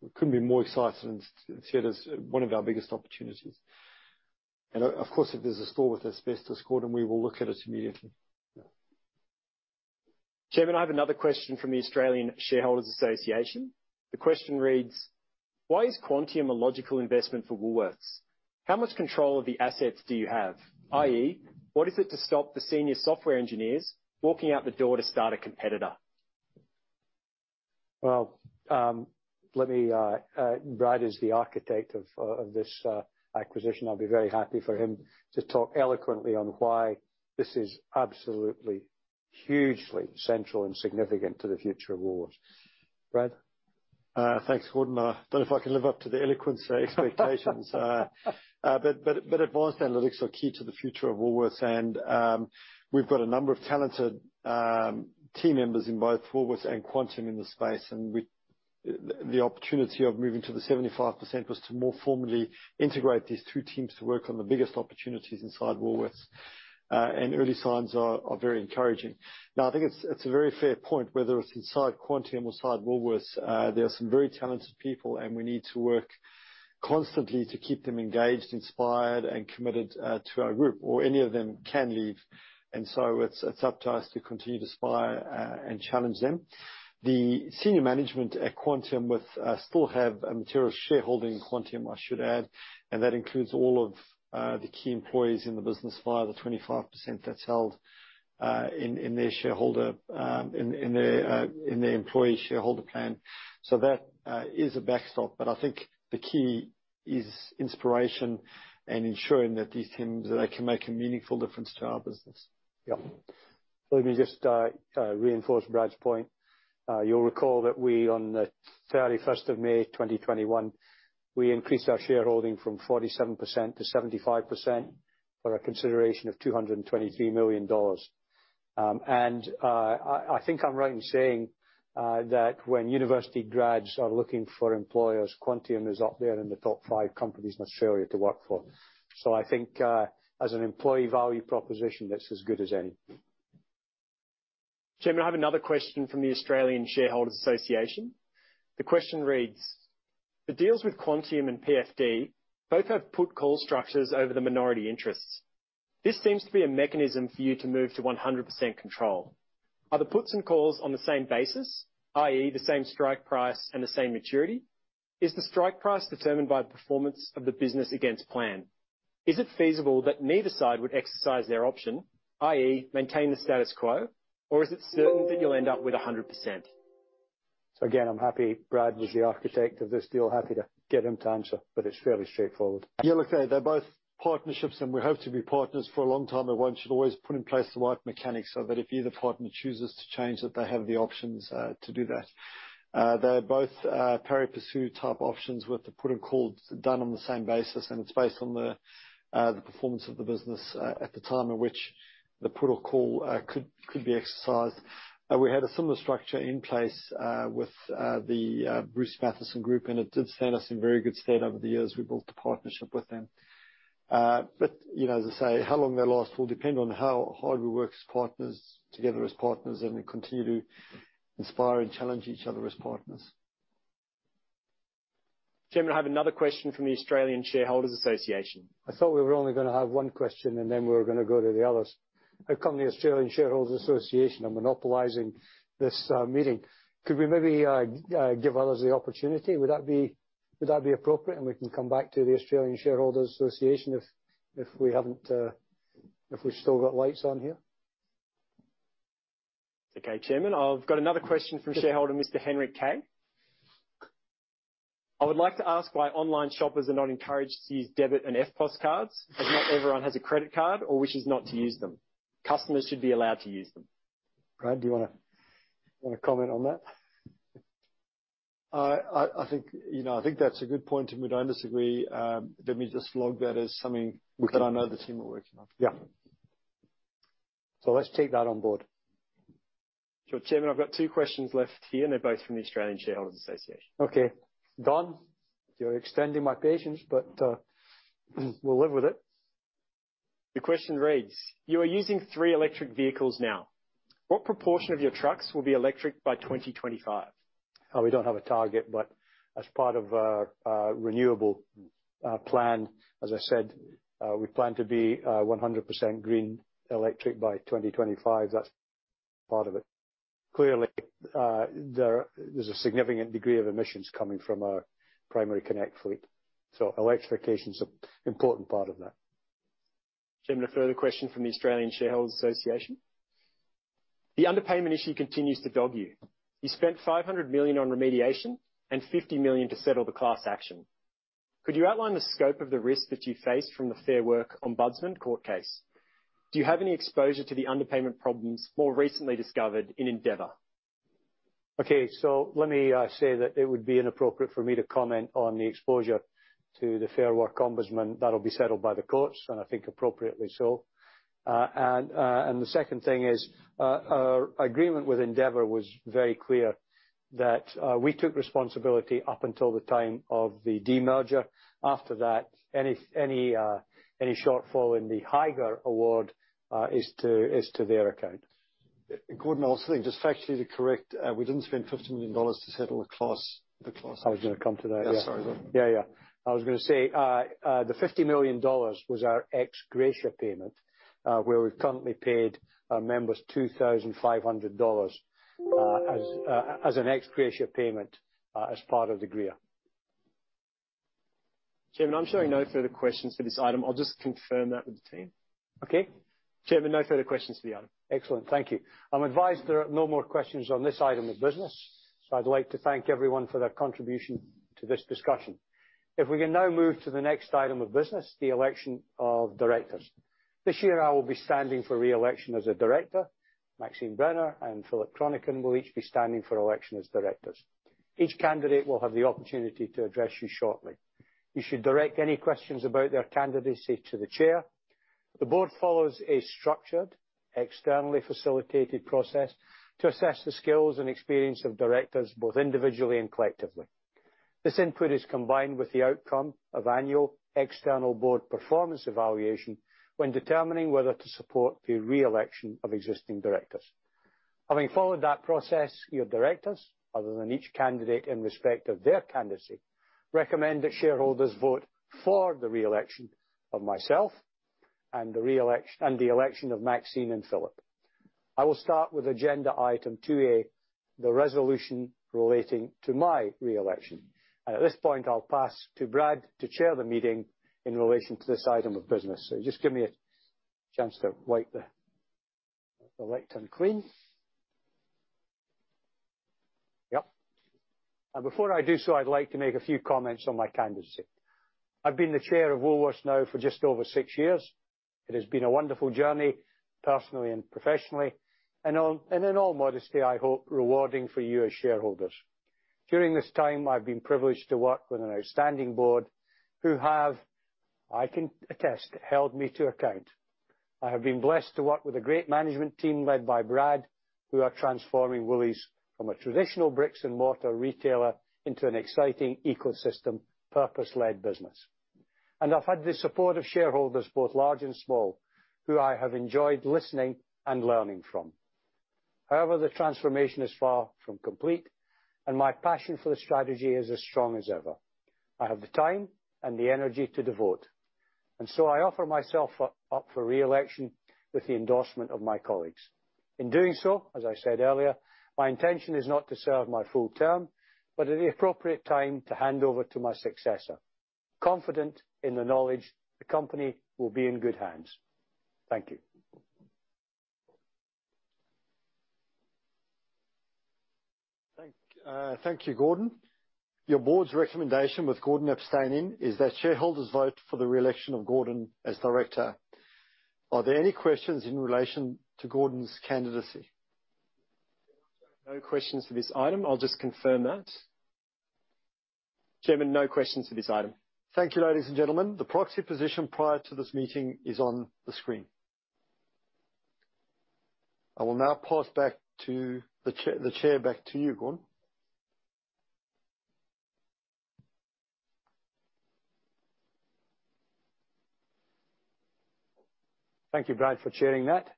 we couldn't be more excited, and see it as one of our biggest opportunities. And of course, if there's a store with asbestos, Gordon, we will look at it immediately. Chairman, I have another question from the Australian Shareholders' Association. The question reads: Why is Quantium a logical investment for Woolworths? How much control of the assets do you have? i.e., what is it to stop the senior software engineers walking out the door to start a competitor? Brad is the architect of this acquisition. I'll be very happy for him to talk eloquently on why this is absolutely, hugely central and significant to the future of Woolworths. Brad? Thanks, Gordon. I don't know if I can live up to the eloquence expectations, but advanced analytics are key to the future of Woolworths, and we've got a number of talented team members in both Woolworths and Quantium in this space, and the opportunity of moving to the 75% was to more formally integrate these two teams to work on the biggest opportunities inside Woolworths, and early signs are very encouraging. Now, I think it's a very fair point, whether it's inside Quantium or inside Woolworths, there are some very talented people, and we need to work constantly to keep them engaged, inspired, and committed to our group, or any of them can leave, and so it's up to us to continue to inspire and challenge them. The senior management at Quantium with still have a material shareholding in Quantium, I should add, and that includes all of the key employees in the business via the 25% that's held in their shareholder in their employee shareholder plan. So that is a backstop, but I think the key is inspiration and ensuring that these teams they can make a meaningful difference to our business. Yeah. Let me just reinforce Brad's point. You'll recall that we, on the thirty-first of May, 2021, we increased our shareholding from 47% to 75% for a consideration of 223 million dollars, and I think I'm right in saying that when university grads are looking for employers, Quantium is up there in the top five companies in Australia to work for. So I think as an employee value proposition, that's as good as any. Chairman, I have another question from the Australian Shareholders' Association. The question reads: The deals with Quantium and PFD both have put call structures over the minority interests. This seems to be a mechanism for you to move to 100% control. Are the puts and calls on the same basis, i.e., the same strike price and the same maturity? Is the strike price determined by performance of the business against plan? Is it feasible that neither side would exercise their option, i.e., maintain the status quo, or is it certain that you'll end up with 100%? So again, I'm happy Brad was the architect of this deal. Happy to get him to answer, but it's fairly straightforward. Yeah, look, they're both partnerships, and we hope to be partners for a long time, and one should always put in place the right mechanics so that if either partner chooses to change, that they have the options to do that. They're both pari passu type options with the put and call done on the same basis, and it's based on the performance of the business at the time at which the put or call could be exercised. We had a similar structure in place with the Bruce Mathieson Group, and it did stand us in very good stead over the years we built a partnership with them. But, you know, as I say, how long they last will depend on how hard we work as partners, together as partners, and continue to inspire and challenge each other as partners. Chairman, I have another question from the Australian Shareholders' Association. I thought we were only going to have one question, and then we were going to go to the others. I've come from the Australian Shareholders' Association. I'm monopolizing this meeting. Could we maybe give others the opportunity? Would that be appropriate? And we can come back to the Australian Shareholders' Association if we haven't, if we've still got lights on here. Okay, Chairman, I've got another question from shareholder Mr. Henrik Kay. "I would like to ask why online shoppers are not encouraged to use debit and EFTPOS cards, as not everyone has a credit card or wishes not to use them. Customers should be allowed to use them. Brad, do you wanna comment on that? I think, you know, I think that's a good point, and we don't disagree. Let me just log that as something- Okay. that I know the team are working on. Yeah. So let's take that on board. So Chairman, I've got two questions left here, and they're both from the Australian Shareholders' Association. Okay. Don, you're extending my patience, but we'll live with it. The question reads: "You are using three electric vehicles now. What proportion of your trucks will be electric by 2025? We don't have a target, but as part of our renewable plan, as I said, we plan to be 100% green electric by 2025. That's part of it. Clearly, there's a significant degree of emissions coming from our Primary Connect fleet, so electrification's an important part of that. Chairman, a further question from the Australian Shareholders' Association. "The underpayment issue continues to dog you. You spent 500 million on remediation and 50 million to settle the class action. Could you outline the scope of the risk that you face from the Fair Work Ombudsman court case? Do you have any exposure to the underpayment problems more recently discovered in Endeavour? Okay, so let me say that it would be inappropriate for me to comment on the exposure to the Fair Work Ombudsman. That'll be settled by the courts, and I think appropriately so. And the second thing is, our agreement with Endeavour was very clear that we took responsibility up until the time of the demerger. After that, any shortfall in the higher award is to their account. Gordon, I'll also think, just factually to correct, we didn't spend 50 million dollars to settle the class action. I was gonna come to that. Yeah, sorry. Yeah, yeah. I was gonna say, the 50 million dollars was our ex gratia payment, where we've currently paid our members 2,500 dollars, as an ex gratia payment, as part of the agreement. Chairman, I'm showing no further questions for this item. I'll just confirm that with the team. Okay. Chairman, no further questions for the item. Excellent. Thank you. I'm advised there are no more questions on this item of business, so I'd like to thank everyone for their contribution to this discussion. If we can now move to the next item of business, the election of directors. This year, I will be standing for re-election as a director. Maxine Brenner and Philip Chronican will each be standing for election as directors. Each candidate will have the opportunity to address you shortly. You should direct any questions about their candidacy to the chair. The board follows a structured, externally facilitated process to assess the skills and experience of directors, both individually and collectively. This input is combined with the outcome of annual external board performance evaluation when determining whether to support the re-election of existing directors. Having followed that process, your directors, other than each candidate in respect of their candidacy, recommend that shareholders vote for the re-election of myself and the re-election and the election of Maxine and Philip. I will start with agenda item two-A, the resolution relating to my re-election, and at this point, I'll pass to Brad to chair the meeting in relation to this item of business. So just give me a chance to wipe the slate clean. Yep. And before I do so, I'd like to make a few comments on my candidacy. I've been the Chair of Woolworths now for just over six years. It has been a wonderful journey, personally and professionally, and in all modesty, I hope, rewarding for you as shareholders. During this time, I've been privileged to work with an outstanding board who have, I can attest, held me to account. I have been blessed to work with a great management team, led by Brad, who are transforming Woolies from a traditional bricks-and-mortar retailer into an exciting ecosystem, purpose-led business. I've had the support of shareholders, both large and small, who I have enjoyed listening and learning from. However, the transformation is far from complete, and my passion for the strategy is as strong as ever. I have the time and the energy to devote, and so I offer myself up for re-election with the endorsement of my colleagues. In doing so, as I said earlier, my intention is not to serve my full term, but at the appropriate time, to hand over to my successor, confident in the knowledge the company will be in good hands. Thank you. Thank you, Gordon. Your board's recommendation, with Gordon abstaining, is that shareholders vote for the re-election of Gordon as director. Are there any questions in relation to Gordon's candidacy? No questions for this item. I'll just confirm that. Chairman, no questions for this item. Thank you, ladies and gentlemen. The proxy position prior to this meeting is on the screen. I will now pass back to the Chair. Back to you, Gordon. Thank you, Brad, for chairing that.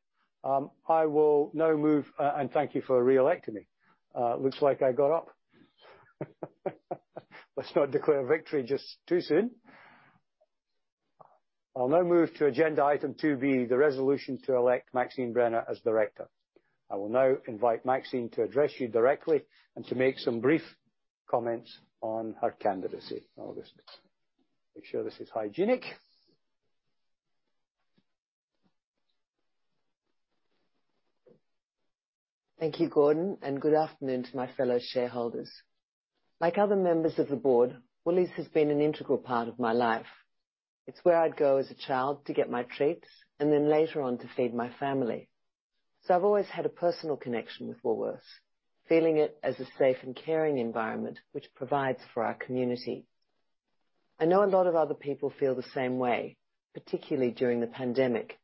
I will now move, and thank you for re-electing me. Looks like I got up.... Let's not declare victory just too soon. I'll now move to agenda item two B, the resolution to elect Maxine Brenner as director. I will now invite Maxine to address you directly and to make some brief comments on her candidacy. I'll just make sure this is hygienic. Thank you, Gordon, and good afternoon to my fellow shareholders. Like other members of the board, Woolies has been an integral part of my life. It's where I'd go as a child to get my treats, and then later on, to feed my family. So I've always had a personal connection with Woolworths, feeling it as a safe and caring environment, which provides for our community. I know a lot of other people feel the same way, particularly during the pandemic,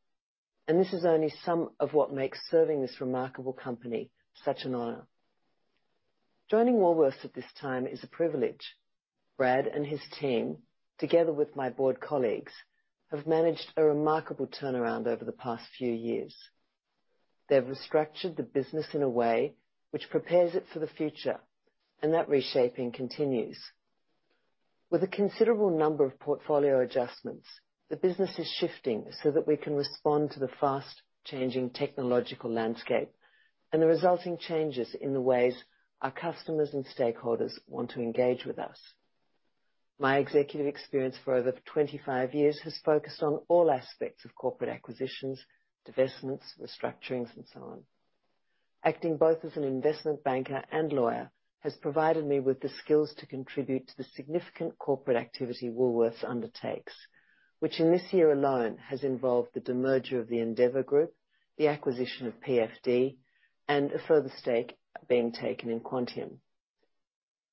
and this is only some of what makes serving this remarkable company such an honor. Joining Woolworths at this time is a privilege. Brad and his team, together with my board colleagues, have managed a remarkable turnaround over the past few years. They've restructured the business in a way which prepares it for the future, and that reshaping continues. With a considerable number of portfolio adjustments, the business is shifting so that we can respond to the fast-changing technological landscape and the resulting changes in the ways our customers and stakeholders want to engage with us. My executive experience for over 25 years has focused on all aspects of corporate acquisitions, divestments, restructurings, and so on. Acting both as an investment banker and lawyer has provided me with the skills to contribute to the significant corporate activity Woolworths undertakes, which in this year alone has involved the demerger of the Endeavour Group, the acquisition of PFD, and a further stake being taken in Quantium.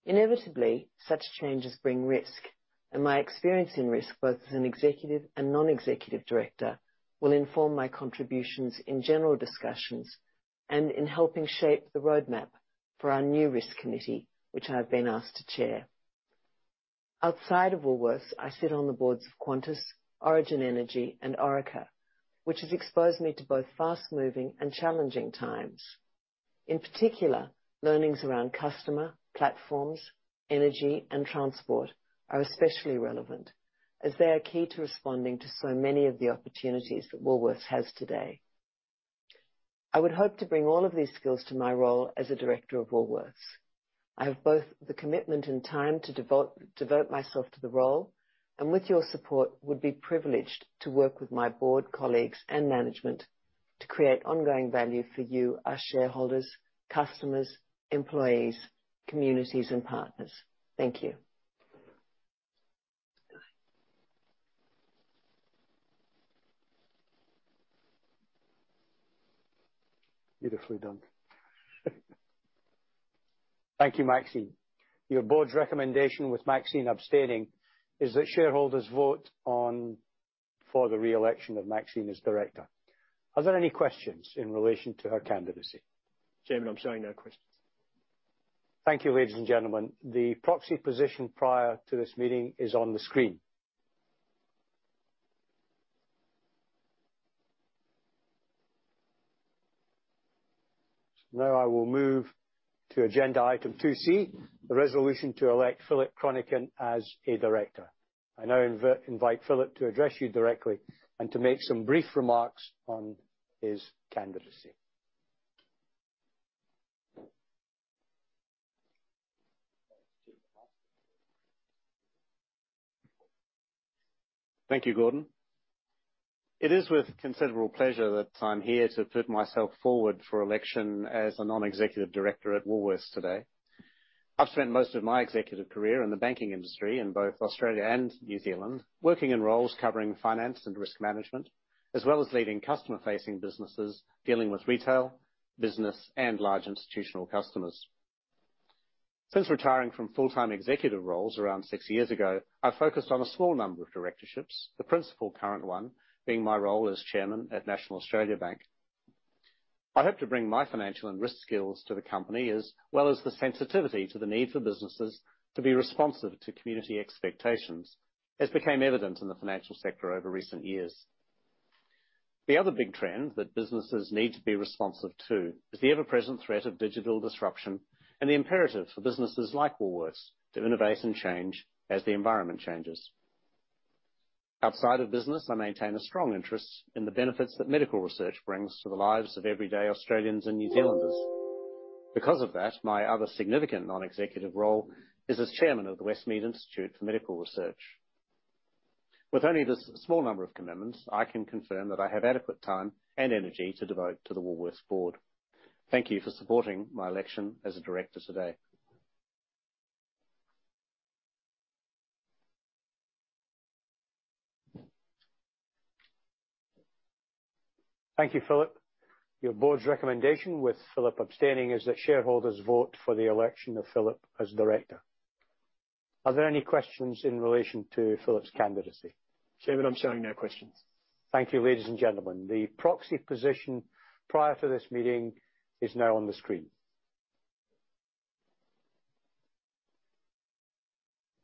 Inevitably, such changes bring risk, and my experience in risk, both as an executive and non-executive director, will inform my contributions in general discussions and in helping shape the roadmap for our new risk committee, which I've been asked to chair. Outside of Woolworths, I sit on the boards of Qantas, Origin Energy, and Orica, which has exposed me to both fast-moving and challenging times. In particular, learnings around customer, platforms, energy, and transport are especially relevant, as they are key to responding to so many of the opportunities that Woolworths has today. I would hope to bring all of these skills to my role as a director of Woolworths. I have both the commitment and time to devote myself to the role, and with your support, would be privileged to work with my board colleagues and management to create ongoing value for you, our shareholders, customers, employees, communities, and partners. Thank you. Beautifully done. Thank you, Maxine. Your board's recommendation, with Maxine abstaining, is that shareholders vote on for the re-election of Maxine as director. Are there any questions in relation to her candidacy? Chairman, I'm showing no questions. Thank you, ladies and gentlemen. The proxy position prior to this meeting is on the screen. Now, I will move to agenda item two C, the resolution to elect Philip Chronican as a director. I now invite Philip to address you directly and to make some brief remarks on his candidacy. Thank you, Gordon. It is with considerable pleasure that I'm here to put myself forward for election as a non-executive director at Woolworths today. I've spent most of my executive career in the banking industry in both Australia and New Zealand, working in roles covering finance and risk management, as well as leading customer-facing businesses, dealing with retail, business, and large institutional customers. Since retiring from full-time executive roles around six years ago, I've focused on a small number of directorships, the principal current one being my role as chairman at National Australia Bank. I hope to bring my financial and risk skills to the company, as well as the sensitivity to the need for businesses to be responsive to community expectations, as became evident in the financial sector over recent years. The other big trend that businesses need to be responsive to is the ever-present threat of digital disruption and the imperative for businesses like Woolworths to innovate and change as the environment changes. Outside of business, I maintain a strong interest in the benefits that medical research brings to the lives of everyday Australians and New Zealanders. Because of that, my other significant non-executive role is as chairman of the Westmead Institute for Medical Research. With only this small number of commitments, I can confirm that I have adequate time and energy to devote to the Woolworths board. Thank you for supporting my election as a director today. Thank you, Philip. Your board's recommendation, with Philip abstaining, is that shareholders vote for the election of Philip as director. Are there any questions in relation to Philip's candidacy? Chairman, I'm showing no questions. Thank you, ladies and gentlemen. The proxy position prior to this meeting is now on the screen.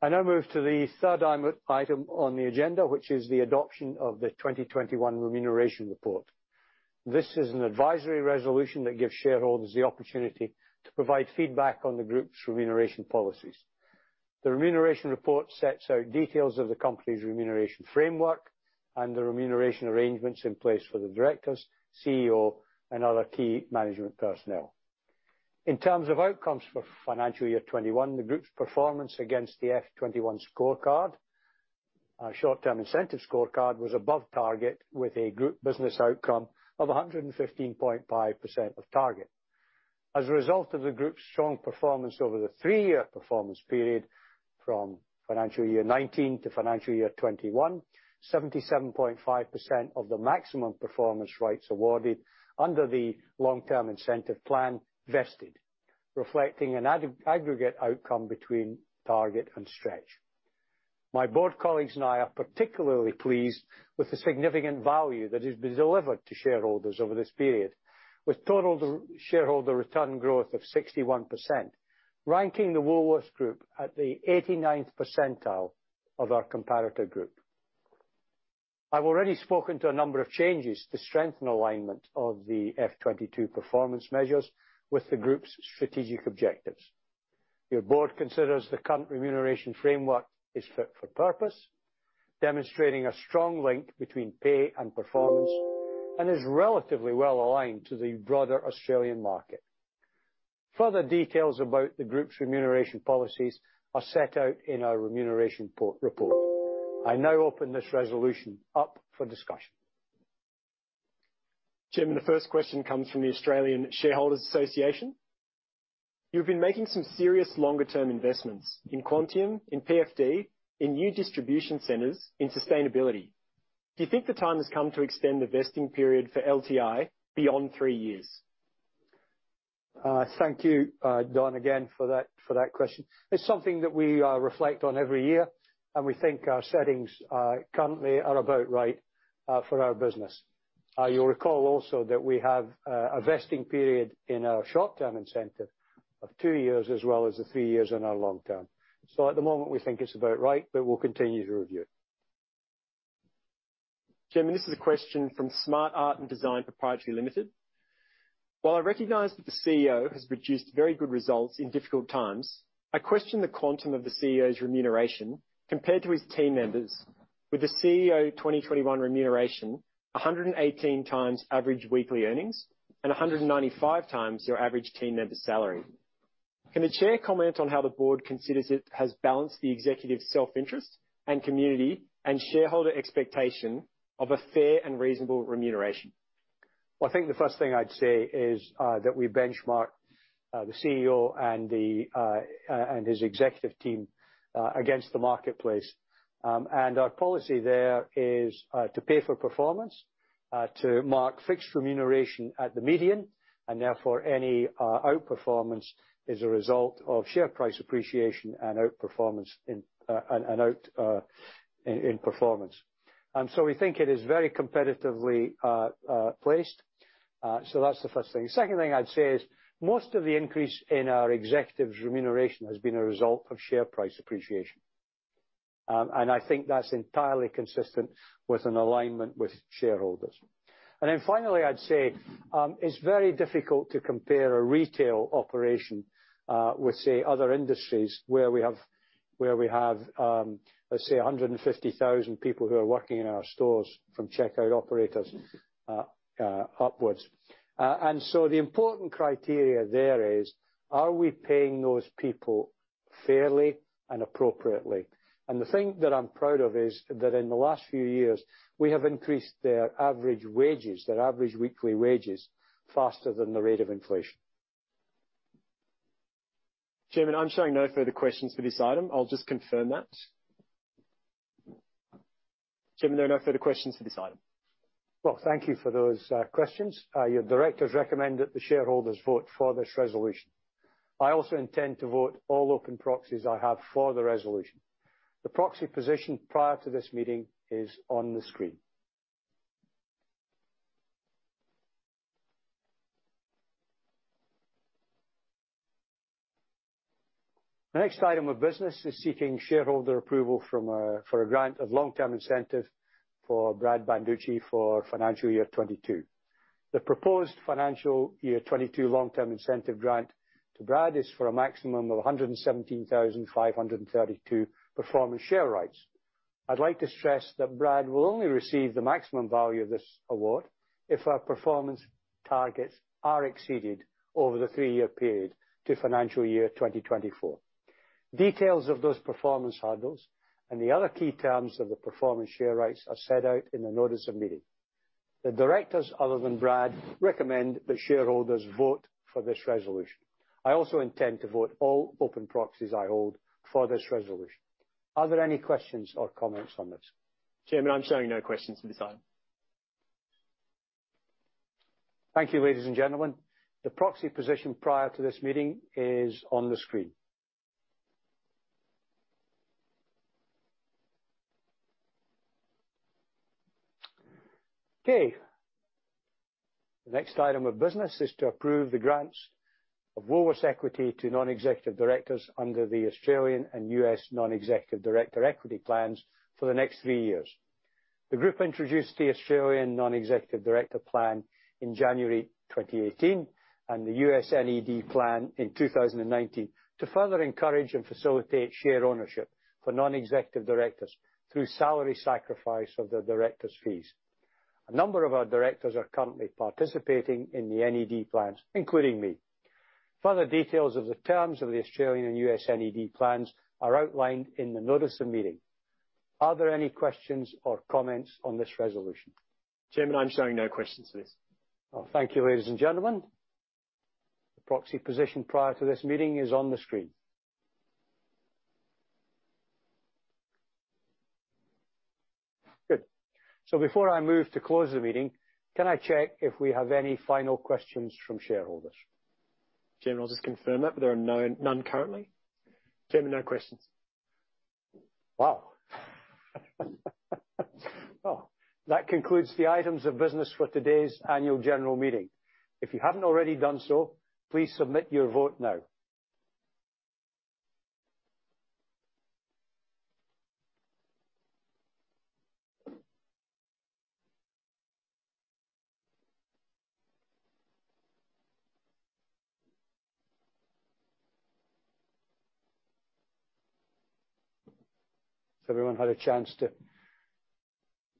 I now move to the third item on the agenda, which is the adoption of the 2021 remuneration report. This is an advisory resolution that gives shareholders the opportunity to provide feedback on the Group's remuneration policies. The remuneration report sets out details of the company's remuneration framework and the remuneration arrangements in place for the directors, CEO, and other key management personnel. In terms of outcomes for financial year 2021, the Group's performance against the FY21 scorecard, our short-term incentive scorecard, was above target, with a group business outcome of 115.5% of target. As a result of the Group's strong performance over the three-year performance period, from financial year 2019 to financial year 2021, 77.5% of the maximum performance rights awarded under the long-term incentive plan vested, reflecting an aggregate outcome between target and stretch. My board colleagues and I are particularly pleased with the significant value that has been delivered to shareholders over this period, with total shareholder return growth of 61%, ranking the Woolworths Group at the 89th percentile of our comparator group. I've already spoken to a number of changes to strengthen alignment of the FY22 performance measures with the Group's strategic objectives. Your board considers the current remuneration framework is fit for purpose, demonstrating a strong link between pay and performance, and is relatively well aligned to the broader Australian market. Further details about the Group's remuneration policies are set out in our remuneration report. I now open this resolution up for discussion. Chairman, the first question comes from the Australian Shareholders' Association. You've been making some serious longer-term investments in Quantium, in PFD, in new distribution centers, in sustainability. Do you think the time has come to extend the vesting period for LTI beyond three years? Thank you, Don, again, for that, for that question. It's something that we reflect on every year, and we think our settings currently are about right for our business. You'll recall also that we have a vesting period in our short-term incentive of two years, as well as the three years in our long term. So at the moment, we think it's about right, but we'll continue to review. Chairman, this is a question from Smart Art & Design Pty Ltd. While I recognize that the CEO has produced very good results in difficult times, I question the quantum of the CEO's remuneration compared to his team members, with the CEO 2021 remuneration 118 times average weekly earnings and 195 times your average team member's salary. Can the chair comment on how the board considers it has balanced the executive's self-interest and community and shareholder expectation of a fair and reasonable remuneration? Well, I think the first thing I'd say is that we benchmark the CEO and his executive team against the marketplace. And our policy there is to pay for performance, to mark fixed remuneration at the median, and therefore, any outperformance is a result of share price appreciation and outperformance in performance. And so we think it is very competitively placed. So that's the first thing. The second thing I'd say is most of the increase in our executives' remuneration has been a result of share price appreciation. And I think that's entirely consistent with an alignment with shareholders. And then finally, I'd say, it's very difficult to compare a retail operation with, say, other industries where we have, let's say, a hundred and fifty thousand people who are working in our stores from checkout operators upwards. And so the important criteria there is: Are we paying those people fairly and appropriately? And the thing that I'm proud of is that in the last few years, we have increased their average wages, their average weekly wages, faster than the rate of inflation. Chairman, I'm showing no further questions for this item. I'll just confirm that. Chairman, there are no further questions for this item. Thank you for those questions. Your directors recommend that the shareholders vote for this resolution. I also intend to vote all open proxies I have for the resolution. The proxy position prior to this meeting is on the screen. The next item of business is seeking shareholder approval for a grant of long-term incentive for Brad Banducci for financial year 2022. The proposed financial year 2022 long-term incentive grant to Brad is for a maximum of a hundred and seventeen thousand five hundred and thirty-two performance share rights. I'd like to stress that Brad will only receive the maximum value of this award if our performance targets are exceeded over the three-year period to financial year 2024. Details of those performance hurdles and the other key terms of the performance share rights are set out in the Notice of Meeting. The directors, other than Brad, recommend that shareholders vote for this resolution. I also intend to vote all open proxies I hold for this resolution. Are there any questions or comments on this? Chairman, I'm showing no questions at this time. Thank you, ladies and gentlemen. The proxy position prior to this meeting is on the screen. Okay, the next item of business is to approve the grants of Woolworths equity to non-executive directors under the Australian and US Non-Executive Director Equity plans for the next three years. The group introduced the Australian Non-Executive Director plan in January 2018, and the US NED plan in 2019, to further encourage and facilitate share ownership for non-executive directors through salary sacrifice of the directors' fees. A number of our directors are currently participating in the NED plans, including me. Further details of the terms of the Australian and US NED plans are outlined in the notice of meeting. Are there any questions or comments on this resolution? Chairman, I'm showing no questions to this. Thank you, ladies and gentlemen. The proxy position prior to this meeting is on the screen. Good. Before I move to close the meeting, can I check if we have any final questions from shareholders? Chairman, I'll just confirm that there are none, none currently. Chairman, no questions. Wow! Well, that concludes the items of business for today's annual general meeting. If you haven't already done so, please submit your vote now. Has everyone had a chance to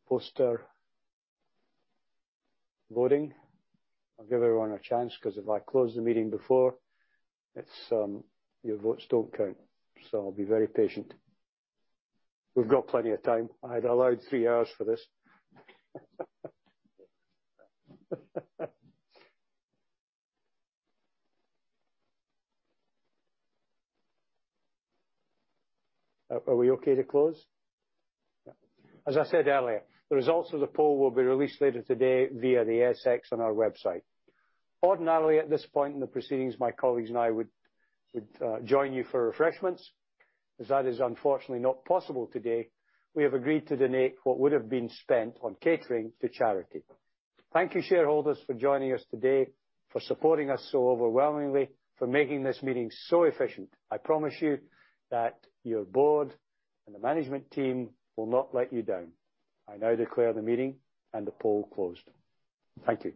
post their voting? I'll give everyone a chance, 'cause if I close the meeting before, it's your votes don't count, so I'll be very patient. We've got plenty of time. I'd allowed three hours for this. Are we okay to close? Yeah. As I said earlier, the results of the poll will be released later today via the ASX on our website. Ordinarily, at this point in the proceedings, my colleagues and I would join you for refreshments. As that is unfortunately not possible today, we have agreed to donate what would have been spent on catering to charity. Thank you, shareholders, for joining us today, for supporting us so overwhelmingly, for making this meeting so efficient. I promise you that your board and the management team will not let you down. I now declare the meeting and the poll closed. Thank you.